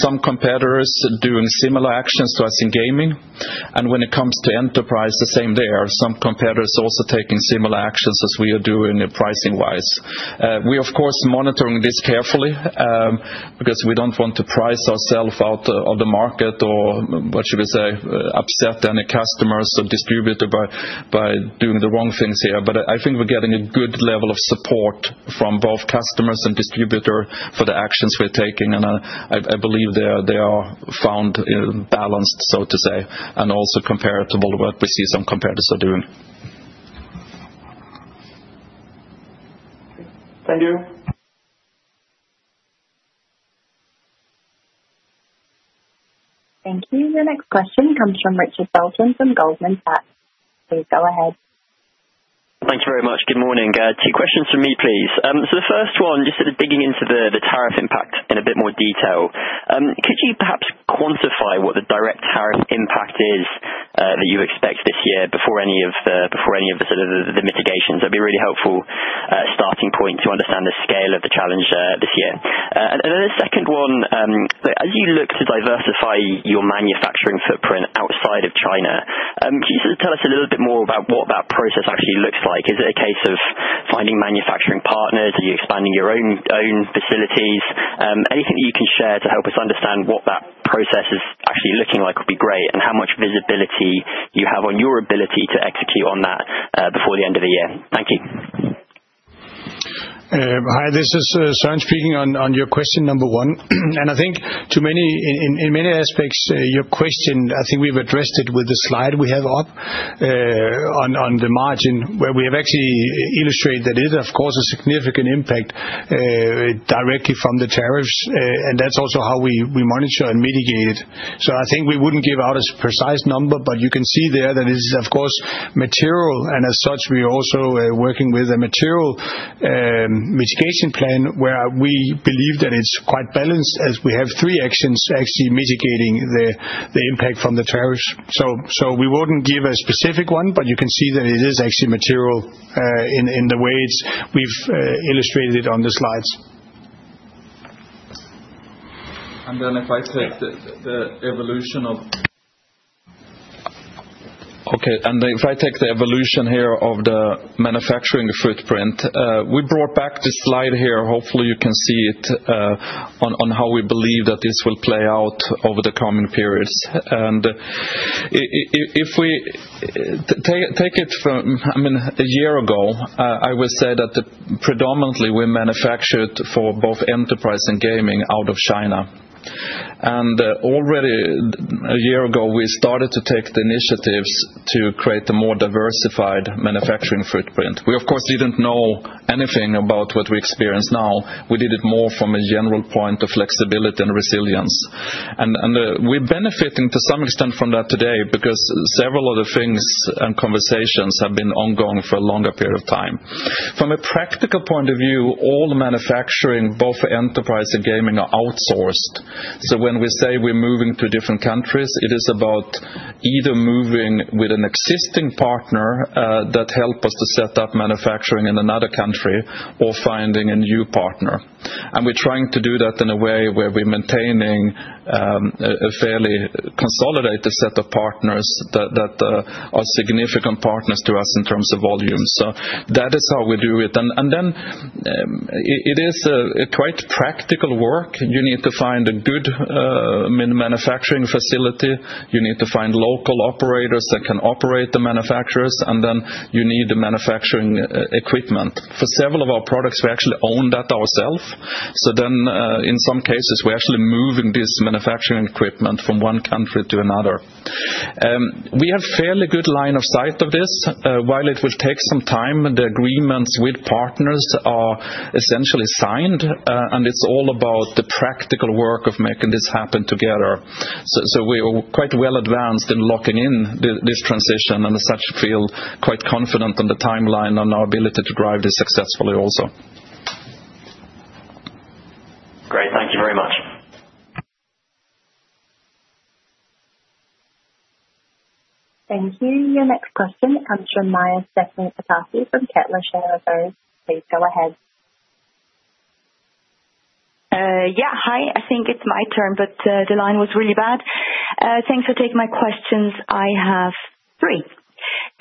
some competitors doing similar actions to us in gaming. When it comes to enterprise, the same there. Some competitors also taking similar actions as we are doing pricing-wise. We, of course, are monitoring this carefully because we don't want to price ourselves out of the market or, what should we say, upset any customers or distributor by doing the wrong things here. I think we're getting a good level of support from both customers and distributor for the actions we're taking. I believe they are found balanced, so to say, and also comparable to what we see some competitors are doing. Thank you. Thank you. Your next question comes from Richard Felton from Goldman Sachs. Please go ahead. Thanks very much. Good morning. Two questions from me, please. The first one, just sort of digging into the tariff impact in a bit more detail. Could you perhaps quantify what the direct tariff impact is that you expect this year before any of the sort of the mitigations? That'd be a really helpful starting point to understand the scale of the challenge this year. The second one, as you look to diversify your manufacturing footprint outside of China, could you sort of tell us a little bit more about what that process actually looks like? Is it a case of finding manufacturing partners? Are you expanding your own facilities? Anything that you can share to help us understand what that process is actually looking like would be great and how much visibility you have on your ability to execute on that before the end of the year. Thank you. Hi, this is Søren speaking on your question number one. I think in many aspects, your question, I think we've addressed it with the slide we have up on the margin where we have actually illustrated that it is, of course, a significant impact directly from the tariffs, and that's also how we monitor and mitigate it. I think we wouldn't give out a precise number, but you can see there that it is, of course, material. As such, we are also working with a material mitigation plan where we believe that it's quite balanced as we have three actions actually mitigating the impact from the tariffs. We wouldn't give a specific one, but you can see that it is actually material in the way we've illustrated it on the slides. If I take the evolution of. Okay. If I take the evolution here of the manufacturing footprint, we brought back this slide here. Hopefully, you can see it on how we believe that this will play out over the coming periods. If we take it from, I mean, a year ago, I would say that predominantly we manufactured for both enterprise and gaming out of China. Already a year ago, we started to take the initiatives to create a more diversified manufacturing footprint. We, of course, did not know anything about what we experience now. We did it more from a general point of flexibility and resilience. We are benefiting to some extent from that today because several of the things and conversations have been ongoing for a longer period of time. From a practical point of view, all the manufacturing, both for enterprise and gaming, are outsourced. When we say we're moving to different countries, it is about either moving with an existing partner that helps us to set up manufacturing in another country or finding a new partner. We're trying to do that in a way where we're maintaining a fairly consolidated set of partners that are significant partners to us in terms of volume. That is how we do it. It is a quite practical work. You need to find a good manufacturing facility. You need to find local operators that can operate the manufacturers, and you need the manufacturing equipment. For several of our products, we actually own that ourselves. In some cases, we're actually moving this manufacturing equipment from one country to another. We have a fairly good line of sight of this. While it will take some time, the agreements with partners are essentially signed, and it's all about the practical work of making this happen together. We are quite well advanced in locking in this transition, and as such, we feel quite confident on the timeline on our ability to drive this successfully also. Great. Thank you very much. Thank you. Your next question comes fromMaja Stephanie Pataki from Kepler Cheuvreux. Please go ahead. Yeah. Hi. I think it's my turn, but the line was really bad. Thanks for taking my questions. I have three.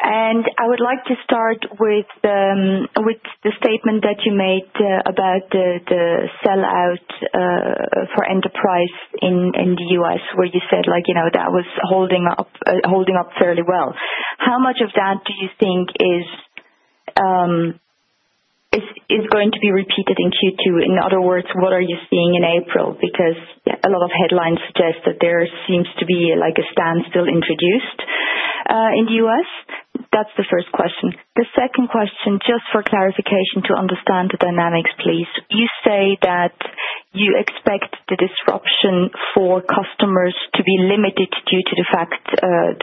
I would like to start with the statement that you made about the sell-out for enterprise in the U.S., where you said that was holding up fairly well. How much of that do you think is going to be repeated in Q2? In other words, what are you seeing in April? Because a lot of headlines suggest that there seems to be a standstill introduced in the U.S. That's the first question. The second question, just for clarification to understand the dynamics, please. You say that you expect the disruption for customers to be limited due to the fact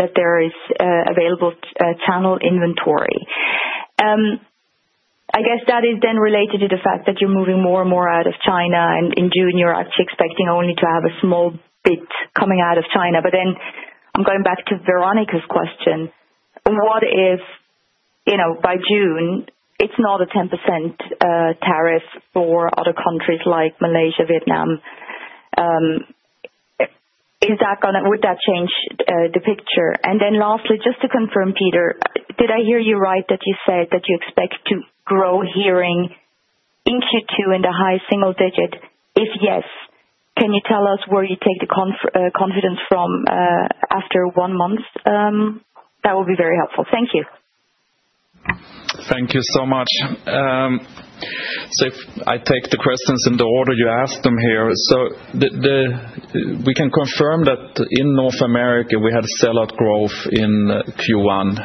that there is available channel inventory. I guess that is then related to the fact that you're moving more and more out of China, and in June, you're actually expecting only to have a small bit coming out of China. I am going back to Veronika's question. By June, it's not a 10% tariff for other countries like Malaysia, Vietnam. Would that change the picture? Lastly, just to confirm, Peter, did I hear you right that you said that you expect to grow hearing in Q2 in the high single digit? If yes, can you tell us where you take the confidence from after one month? That would be very helpful. Thank you. Thank you so much. If I take the questions in the order you asked them here, we can confirm that in North America, we had a sell-out growth in Q1.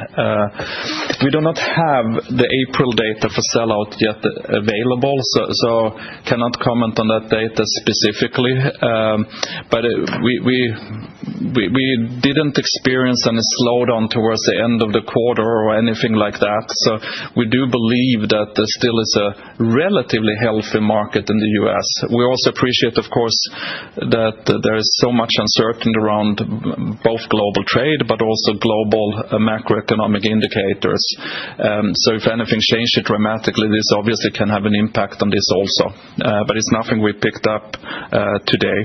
We do not have the April data for sell-out yet available, so I cannot comment on that data specifically. We did not experience any slowdown towards the end of the quarter or anything like that. We do believe that there still is a relatively healthy market in the US. We also appreciate, of course, that there is so much uncertainty around both global trade but also global macroeconomic indicators. If anything changes dramatically, this obviously can have an impact on this also. It is nothing we picked up today.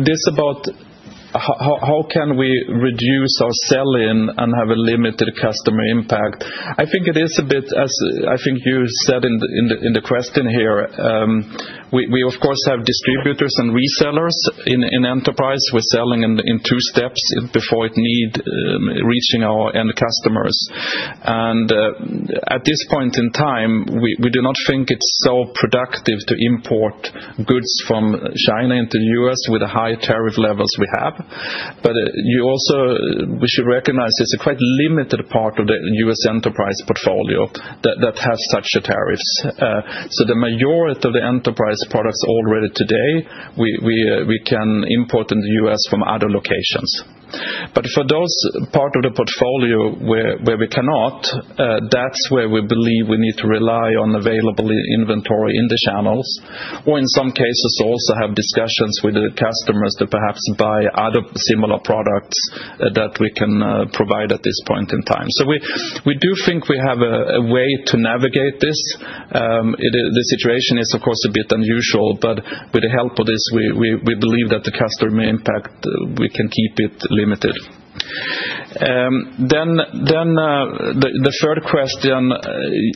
This about how can we reduce our sell-in and have a limited customer impact. I think it is a bit, as I think you said in the question here, we, of course, have distributors and resellers in enterprise. We're selling in two steps before it needs reaching our end customers. At this point in time, we do not think it's so productive to import goods from China into the U.S. with the high tariff levels we have. We should recognize it's a quite limited part of the U.S. enterprise portfolio that has such tariffs. The majority of the enterprise products already today, we can import in the U.S. from other locations. For those parts of the portfolio where we cannot, that's where we believe we need to rely on available inventory in the channels or, in some cases, also have discussions with the customers to perhaps buy other similar products that we can provide at this point in time. We do think we have a way to navigate this. The situation is, of course, a bit unusual, but with the help of this, we believe that the customer impact, we can keep it limited. The third question,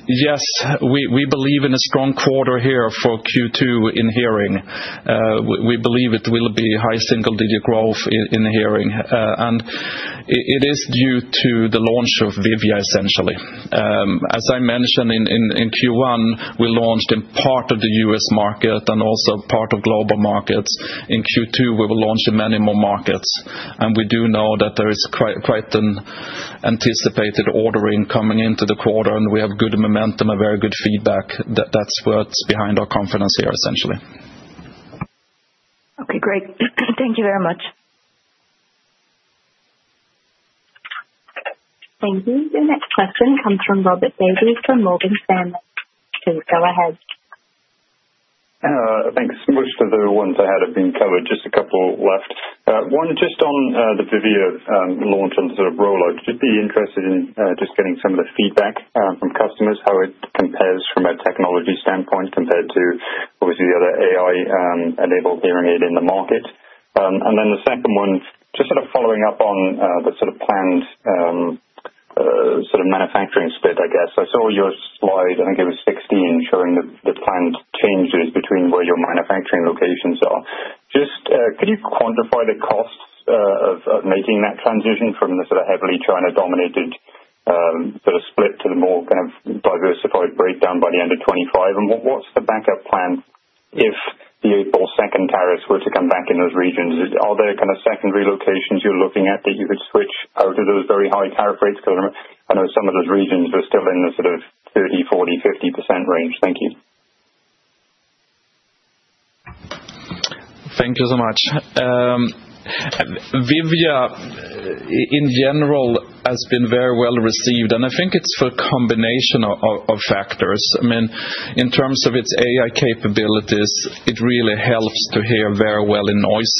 yes, we believe in a strong quarter here for Q2 in hearing. We believe it will be high single-digit growth in hearing. It is due to the launch of Vivia, essentially. As I mentioned, in Q1, we launched in part of the US market and also part of global markets. In Q2, we will launch in many more markets. We do know that there is quite an anticipated ordering coming into the quarter, and we have good momentum, very good feedback. That is what is behind our confidence here, essentially. Okay. Great. Thank you very much. Thank you. Your next question comes from Robert Davies from Morgan Stanley. Please go ahead. Thanks. Most of the ones I had have been covered. Just a couple left. One just on the Vivia launch and sort of rollout. Would you be interested in just getting some of the feedback from customers, how it compares from a technology standpoint compared to, obviously, the other AI-enabled hearing aid in the market? The second one, just sort of following up on the sort of planned sort of manufacturing split, I guess. I saw your slide, I think it was 16, showing the planned changes between where your manufacturing locations are. Just could you quantify the costs of making that transition from the sort of heavily China-dominated sort of split to the more kind of diversified breakdown by the end of 2025? What is the backup plan if the April second tariffs were to come back in those regions? Are there kind of secondary locations you're looking at that you could switch out of those very high tariff rates? Because I know some of those regions are still in the sort of 30-40-50% range. Thank you. Thank you so much. Vivia, in general, has been very well received. I think it's for a combination of factors. I mean, in terms of its AI capabilities, it really helps to hear very well in noise.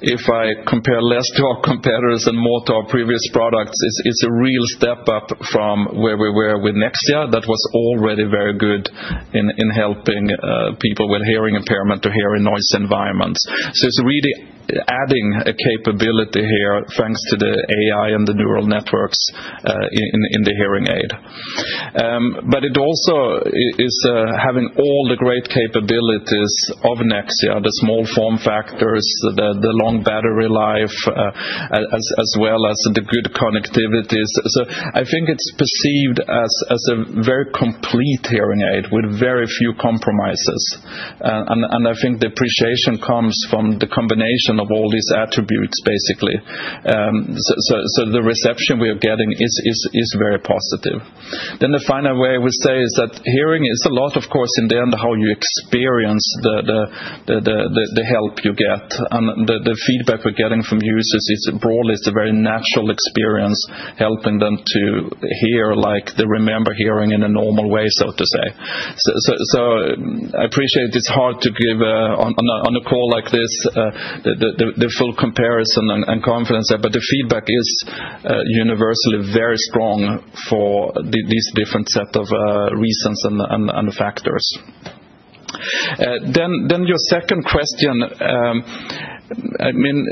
If I compare less to our competitors and more to our previous products, it's a real step up from where we were with Nexia. That was already very good in helping people with hearing impairment to hear in noise environments. It is really adding a capability here thanks to the AI and the neural networks in the hearing aid. It also is having all the great capabilities of Nexia, the small form factors, the long battery life, as well as the good connectivity. I think it's perceived as a very complete hearing aid with very few compromises. I think the appreciation comes from the combination of all these attributes, basically. The reception we are getting is very positive. The final way I would say is that hearing is a lot, of course, in the end, how you experience the help you get. The feedback we're getting from users is, broadly, it's a very natural experience helping them to hear like they remember hearing in a normal way, so to say. I appreciate it's hard to give on a call like this the full comparison and confidence there, but the feedback is universally very strong for these different sets of reasons and factors. Your second question, I mean,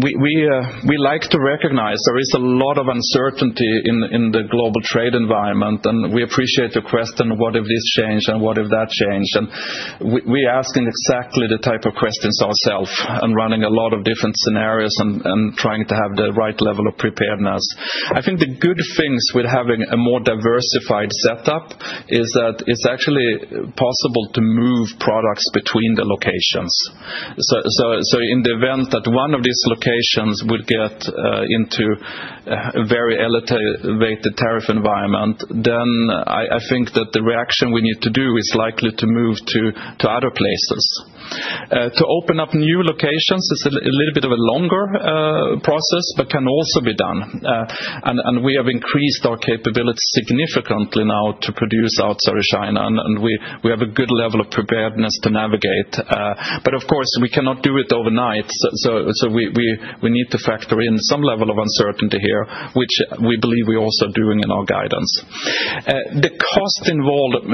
we like to recognize there is a lot of uncertainty in the global trade environment, and we appreciate your question, what if this changed and what if that changed? We're asking exactly the type of questions ourselves and running a lot of different scenarios and trying to have the right level of preparedness. I think the good things with having a more diversified setup is that it's actually possible to move products between the locations. In the event that one of these locations would get into a very elevated tariff environment, I think that the reaction we need to do is likely to move to other places. To open up new locations is a little bit of a longer process, but can also be done. We have increased our capability significantly now to produce outside of China, and we have a good level of preparedness to navigate. Of course, we cannot do it overnight. We need to factor in some level of uncertainty here, which we believe we're also doing in our guidance. The cost involved,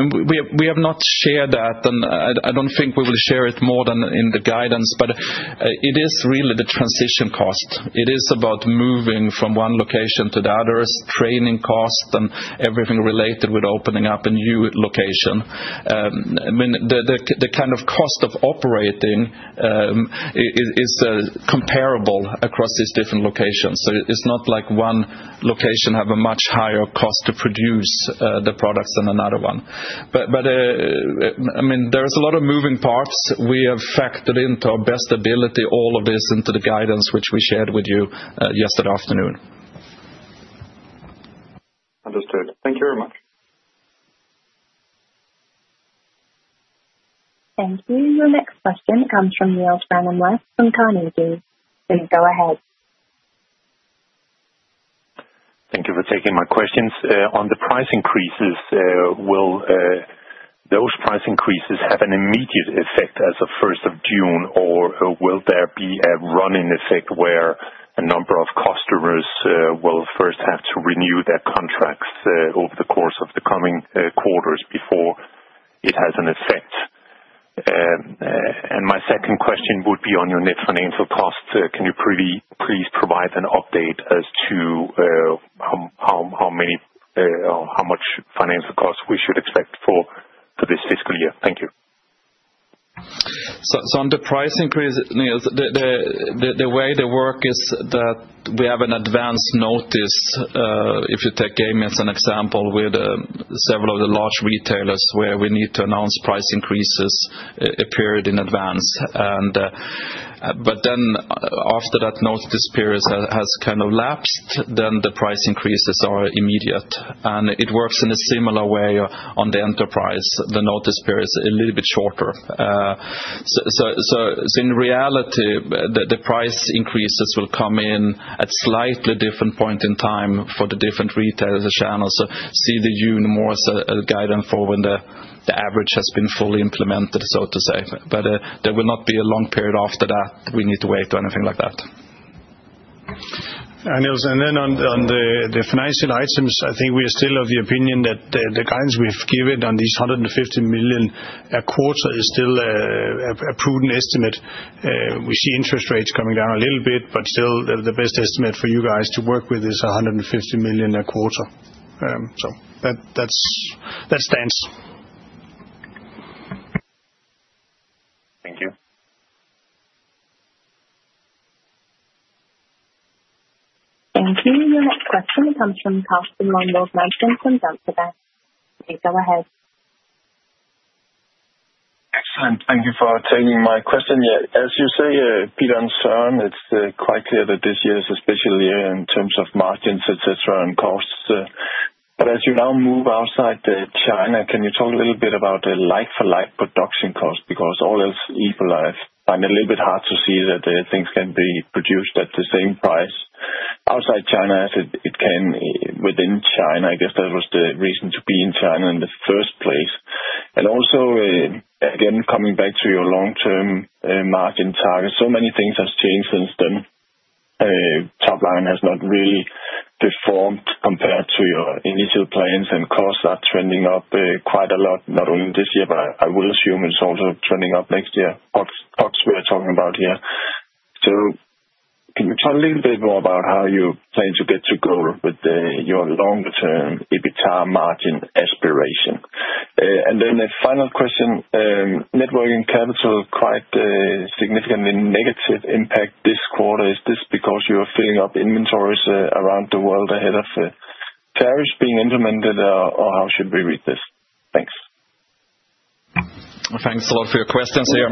we have not shared that, and I don't think we will share it more than in the guidance, but it is really the transition cost. It is about moving from one location to the other, training costs, and everything related with opening up a new location. I mean, the kind of cost of operating is comparable across these different locations. So it's not like one location has a much higher cost to produce the products than another one. I mean, there is a lot of moving parts. We have factored into our best ability all of this into the guidance, which we shared with you yesterday afternoon. Understood. Thank you very much. Thank you. Your next question comes from Niels Granholm-Leth from Carnegie. Please go ahead. Thank you for taking my questions. On the price increases, will those price increases have an immediate effect as of 1st of June, or will there be a running effect where a number of customers will first have to renew their contracts over the course of the coming quarters before it has an effect? My second question would be on your net financial cost. Can you please provide an update as to how much financial cost we should expect for this fiscal year? Thank you. On the price increase, the way they work is that we have an advance notice, if you take Amplifon as an example, with several of the large retailers where we need to announce price increases a period in advance. After that notice period has kind of lapsed, the price increases are immediate. It works in a similar way on the enterprise. The notice period is a little bit shorter. In reality, the price increases will come in at slightly different points in time for the different retailers' channels. See June more as a guidance for when the average has been fully implemented, so to say. There will not be a long period after that. We need to wait for anything like that. On the financial items, I think we are still of the opinion that the guidance we have given on these 150 million a quarter is still a prudent estimate. We see interest rates coming down a little bit, but still the best estimate for you guys to work with is 150 million a quarter. That stands. Thank you. Thank you. Your next question comes from Carsten Lonborg Madsen from Danske Bank. Please go ahead. Excellent. Thank you for taking my question. Yeah. As you say, Peter and Søren, it is quite clear that this year is a special year in terms of margins, etc., and costs. As you now move outside China, can you talk a little bit about the like-for-like production cost? Because all else equal, I find it a little bit hard to see that things can be produced at the same price outside China as it can within China. I guess that was the reason to be in China in the first place. Also, again, coming back to your long-term margin target, so many things have changed since then. Top line has not really performed compared to your initial plans, and costs are trending up quite a lot, not only this year, but I will assume it is also trending up next year, costs we are talking about here. Can you talk a little bit more about how you plan to get to goal with your long-term EBITDA margin aspiration? A final question. Working capital quite significantly negative impact this quarter. Is this because you are filling up inventories around the world ahead of the tariffs being implemented, or how should we read this? Thanks. Thanks a lot for your questions here.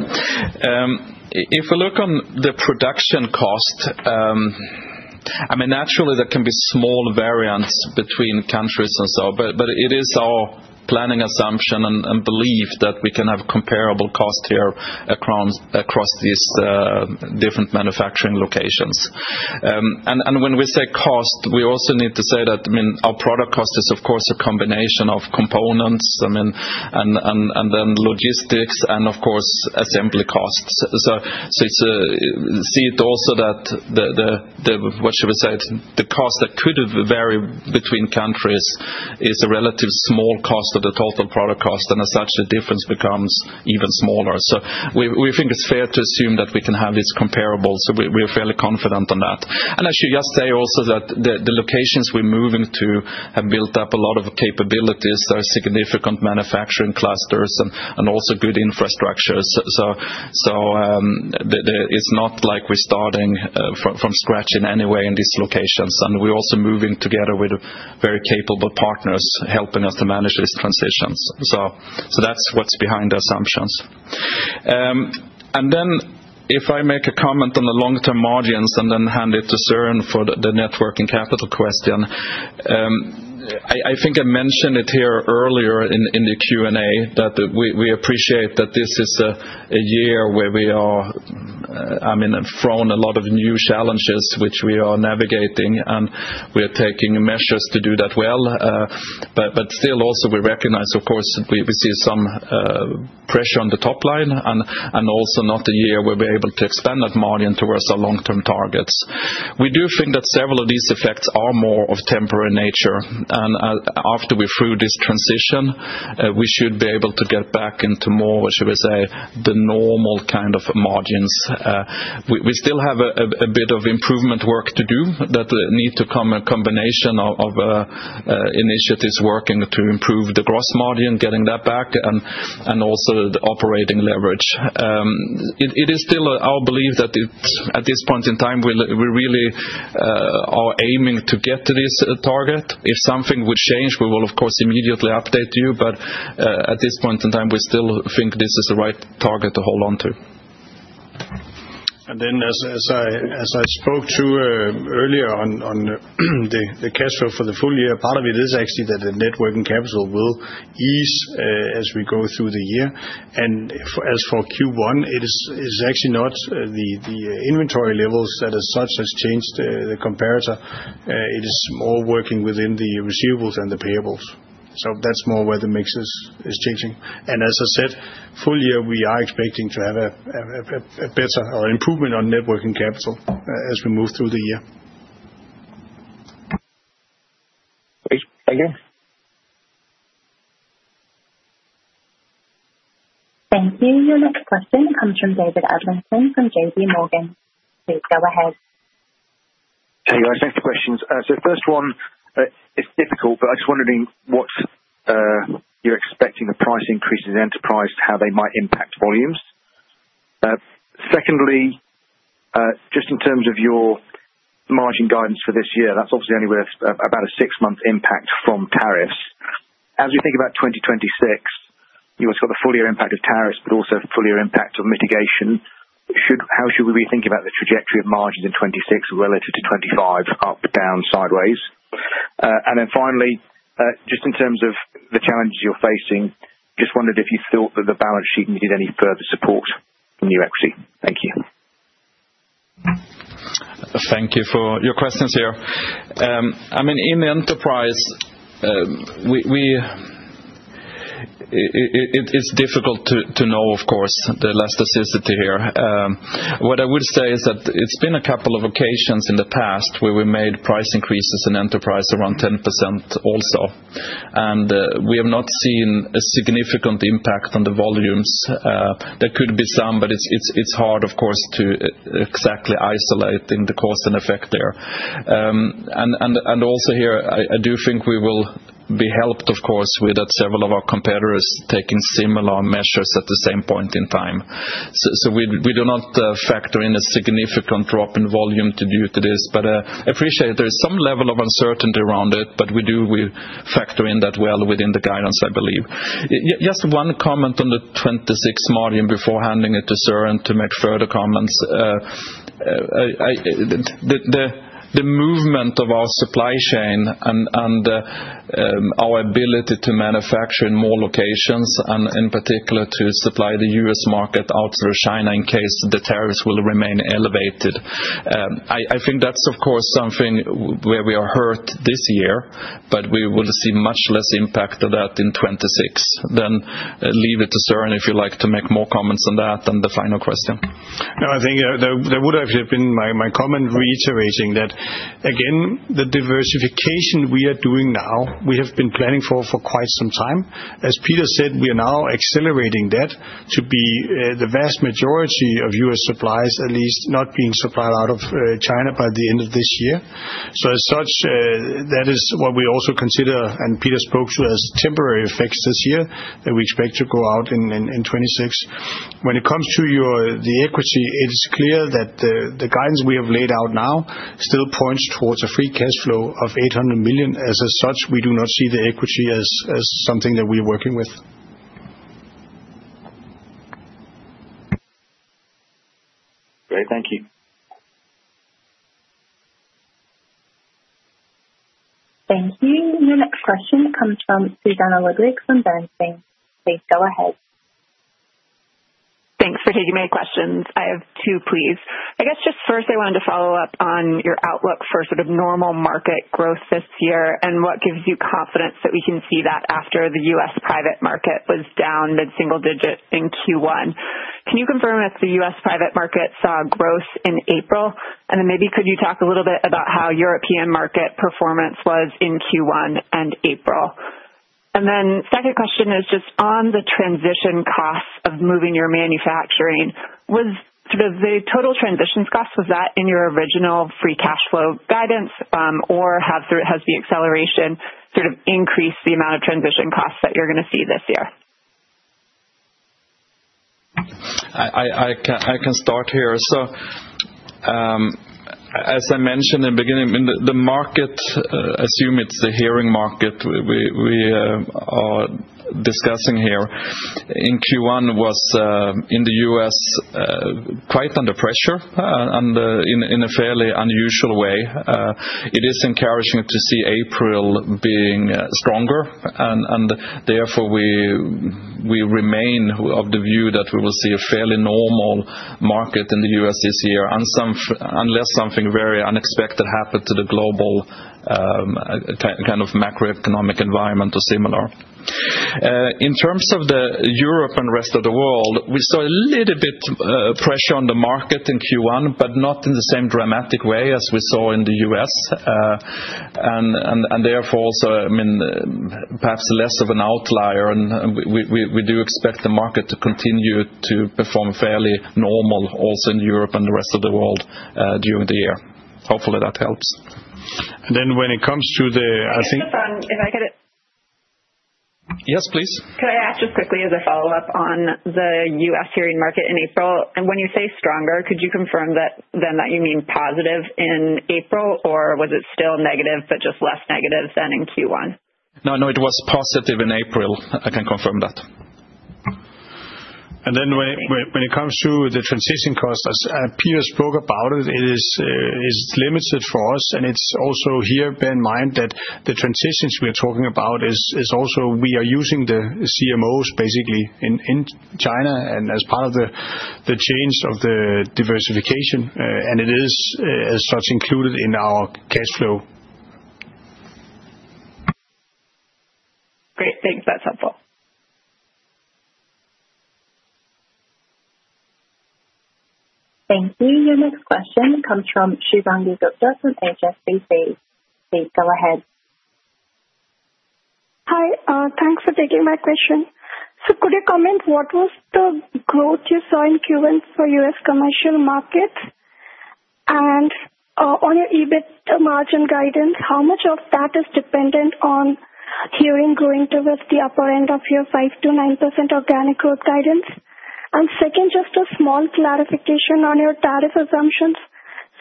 If we look on the production cost, I mean, naturally, there can be small variance between countries and so, but it is our planning assumption and belief that we can have comparable costs here across these different manufacturing locations. When we say cost, we also need to say that, I mean, our product cost is, of course, a combination of components, I mean, and then logistics and, of course, assembly costs. See it also that the, what should we say, the cost that could vary between countries is a relatively small cost of the total product cost, and as such, the difference becomes even smaller. We think it's fair to assume that we can have it comparable. We are fairly confident on that. I should just say also that the locations we're moving to have built up a lot of capabilities. There are significant manufacturing clusters and also good infrastructures. It is not like we're starting from scratch in any way in these locations. We're also moving together with very capable partners helping us to manage these transitions. That is what's behind the assumptions. If I make a comment on the long-term margins and then hand it to Søren for the net working capital question, I think I mentioned it here earlier in the Q&A that we appreciate that this is a year where we are, I mean, thrown a lot of new challenges, which we are navigating, and we are taking measures to do that well. Still, also, we recognize, of course, we see some pressure on the top line, and also not a year where we're able to expand that margin towards our long-term targets. We do think that several of these effects are more of temporary nature. After we are through this transition, we should be able to get back into more, what should we say, the normal kind of margins. We still have a bit of improvement work to do that need to come a combination of initiatives working to improve the gross margin, getting that back, and also the operating leverage. It is still our belief that at this point in time, we really are aiming to get to this target. If something would change, we will, of course, immediately update you. At this point in time, we still think this is the right target to hold on to. As I spoke to earlier on the cash flow for the full year, part of it is actually that the working capital will ease as we go through the year. As for Q1, it is actually not the inventory levels that as such has changed the comparator. It is more working within the receivables and the payables. That is more where the mix is changing. As I said, full year, we are expecting to have a better or improvement on working capital as we move through the year. Thank you. Thank you. Your next question comes from David Adlington from JPMorgan. Please go ahead. Okay. Your next questions. First one, it's difficult, but I just wondered what you're expecting the price increases in enterprise, how they might impact volumes. Secondly, just in terms of your margin guidance for this year, that's obviously only worth about a six-month impact from tariffs. As we think about 2026, you've also got the full year impact of tariffs, but also full year impact of mitigation. How should we be thinking about the trajectory of margins in 2026 relative to 2025, up, down, sideways? Finally, just in terms of the challenges you're facing, just wondered if you thought that the balance sheet needed any further support from new equity. Thank you. Thank you for your questions here. I mean, in enterprise, it's difficult to know, of course, the elasticity here. What I would say is that it's been a couple of occasions in the past where we made price increases in enterprise around 10% also. We have not seen a significant impact on the volumes. There could be some, but it's hard, of course, to exactly isolate in the cost and effect there. I do think we will be helped, of course, with several of our competitors taking similar measures at the same point in time. We do not factor in a significant drop in volume due to this. I appreciate there is some level of uncertainty around it, but we do factor in that well within the guidance, I believe. Just one comment on the 2026 margin before handing it to Søren to make further comments. The movement of our supply chain and our ability to manufacture in more locations, and in particular to supply the US market outside of China in case the tariffs will remain elevated. I think that's, of course, something where we are hurt this year, but we will see much less impact of that in 2026. Leave it to Søren if you'd like to make more comments on that and the final question. No, I think that would actually have been my comment reiterating that, again, the diversification we are doing now, we have been planning for quite some time. As Peter said, we are now accelerating that to be the vast majority of US supplies, at least not being supplied out of China by the end of this year. As such, that is what we also consider, and Peter spoke to as temporary effects this year that we expect to go out in 2026. When it comes to the equity, it is clear that the guidance we have laid out now still points towards a free cash flow of 800 million. As such, we do not see the equity as something that we are working with. Great. Thank you. Thank you. Your next question comes from Susanna Ludwig from Bernstein. Please go ahead. Thanks for taking my questions. I have two, please. I guess just first, I wanted to follow up on your outlook for sort of normal market growth this year and what gives you confidence that we can see that after the US private market was down mid-single digit in Q1. Can you confirm if the US private market saw growth in April? Could you talk a little bit about how European market performance was in Q1 and April? My second question is just on the transition costs of moving your manufacturing. Was the total transition cost in your original free cash flow guidance, or has the acceleration increased the amount of transition costs that you're going to see this year? I can start here. As I mentioned in the beginning, the market, assume it's the hearing market we are discussing here, in Q1 was in the U.S. quite under pressure in a fairly unusual way. It is encouraging to see April being stronger. Therefore, we remain of the view that we will see a fairly normal market in the U.S. this year unless something very unexpected happened to the global kind of macroeconomic environment or similar. In terms of Europe and the rest of the world, we saw a little bit of pressure on the market in Q1, but not in the same dramatic way as we saw in the U.S. Therefore, also, I mean, perhaps less of an outlier. We do expect the market to continue to perform fairly normal also in Europe and the rest of the world during the year. Hopefully, that helps. When it comes to the. I think. If I get it. Yes, please. Could I ask just quickly as a follow-up on the US hearing market in April? When you say stronger, could you confirm then that you mean positive in April, or was it still negative but just less negative than in Q1? No, no, it was positive in April. I can confirm that. When it comes to the transition costs, as Peter spoke about it, it is limited for us. Also, here, bear in mind that the transitions we are talking about is also we are using the CMOs basically in China and as part of the change of the diversification. It is as such included in our cash flow. Great. Thanks. That's helpful. Thank you. Your next question comes from Shubhangi Gupta from HSBC. Please go ahead. Hi. Thanks for taking my question. Could you comment what was the growth you saw in Q1 for US commercial markets? On your EBITDA margin guidance, how much of that is dependent on hearing growing towards the upper end of your 5-9% organic growth guidance? Second, just a small clarification on your tariff assumptions.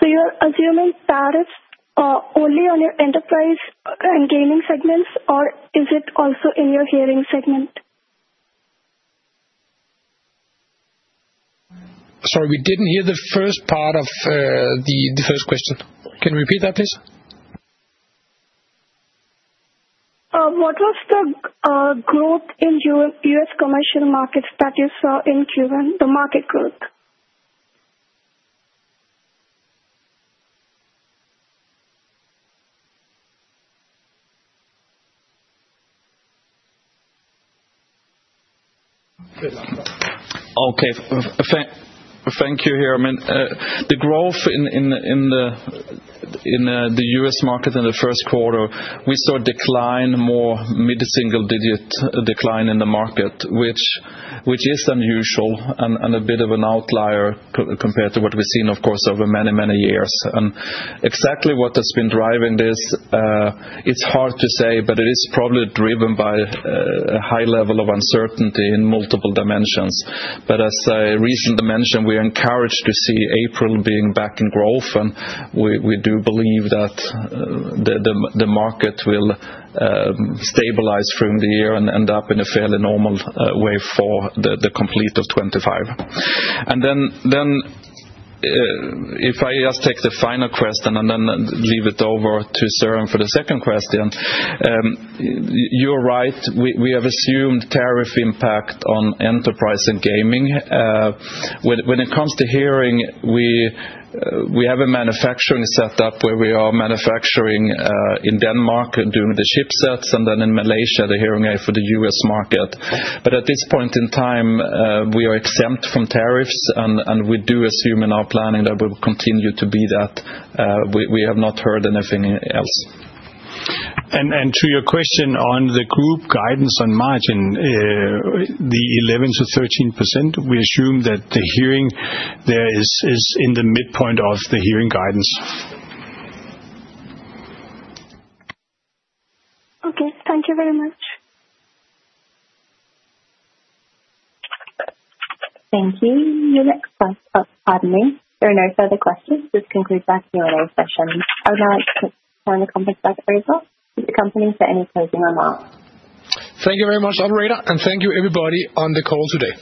You're assuming tariffs only on your enterprise and gaming segments, or is it also in your hearing segment? Sorry, we didn't hear the first part of the first question. Can you repeat that, please? What was the growth in US commercial markets that you saw in Q1, the market growth? Okay. Thank you here. I mean, the growth in the U.S. market in the first quarter, we saw decline, more mid-single digit decline in the market, which is unusual and a bit of an outlier compared to what we've seen, of course, over many, many years. Exactly what has been driving this, it's hard to say, but it is probably driven by a high level of uncertainty in multiple dimensions. As a recent dimension, we are encouraged to see April being back in growth. We do believe that the market will stabilize through the year and end up in a fairly normal way for the complete of 2025. If I just take the final question and then leave it over to Søren for the second question, you're right. We have assumed tariff impact on enterprise and gaming. When it comes to hearing, we have a manufacturing setup where we are manufacturing in Denmark and doing the chipsets, and then in Malaysia, the hearing aid for the U.S. market. At this point in time, we are exempt from tariffs. We do assume in our planning that will continue to be that. We have not heard anything else. To your question on the group guidance on margin, the 11-13%, we assume that the hearing there is in the midpoint of the hearing guidance. Okay. Thank you very much. Thank you. Your next question, oh, pardon me. There are no further questions. This concludes our Q&A session. I would now like to turn the conference back over to the company for any closing remarks. Thank you very much, Operator. Thank you, everybody, on the call today.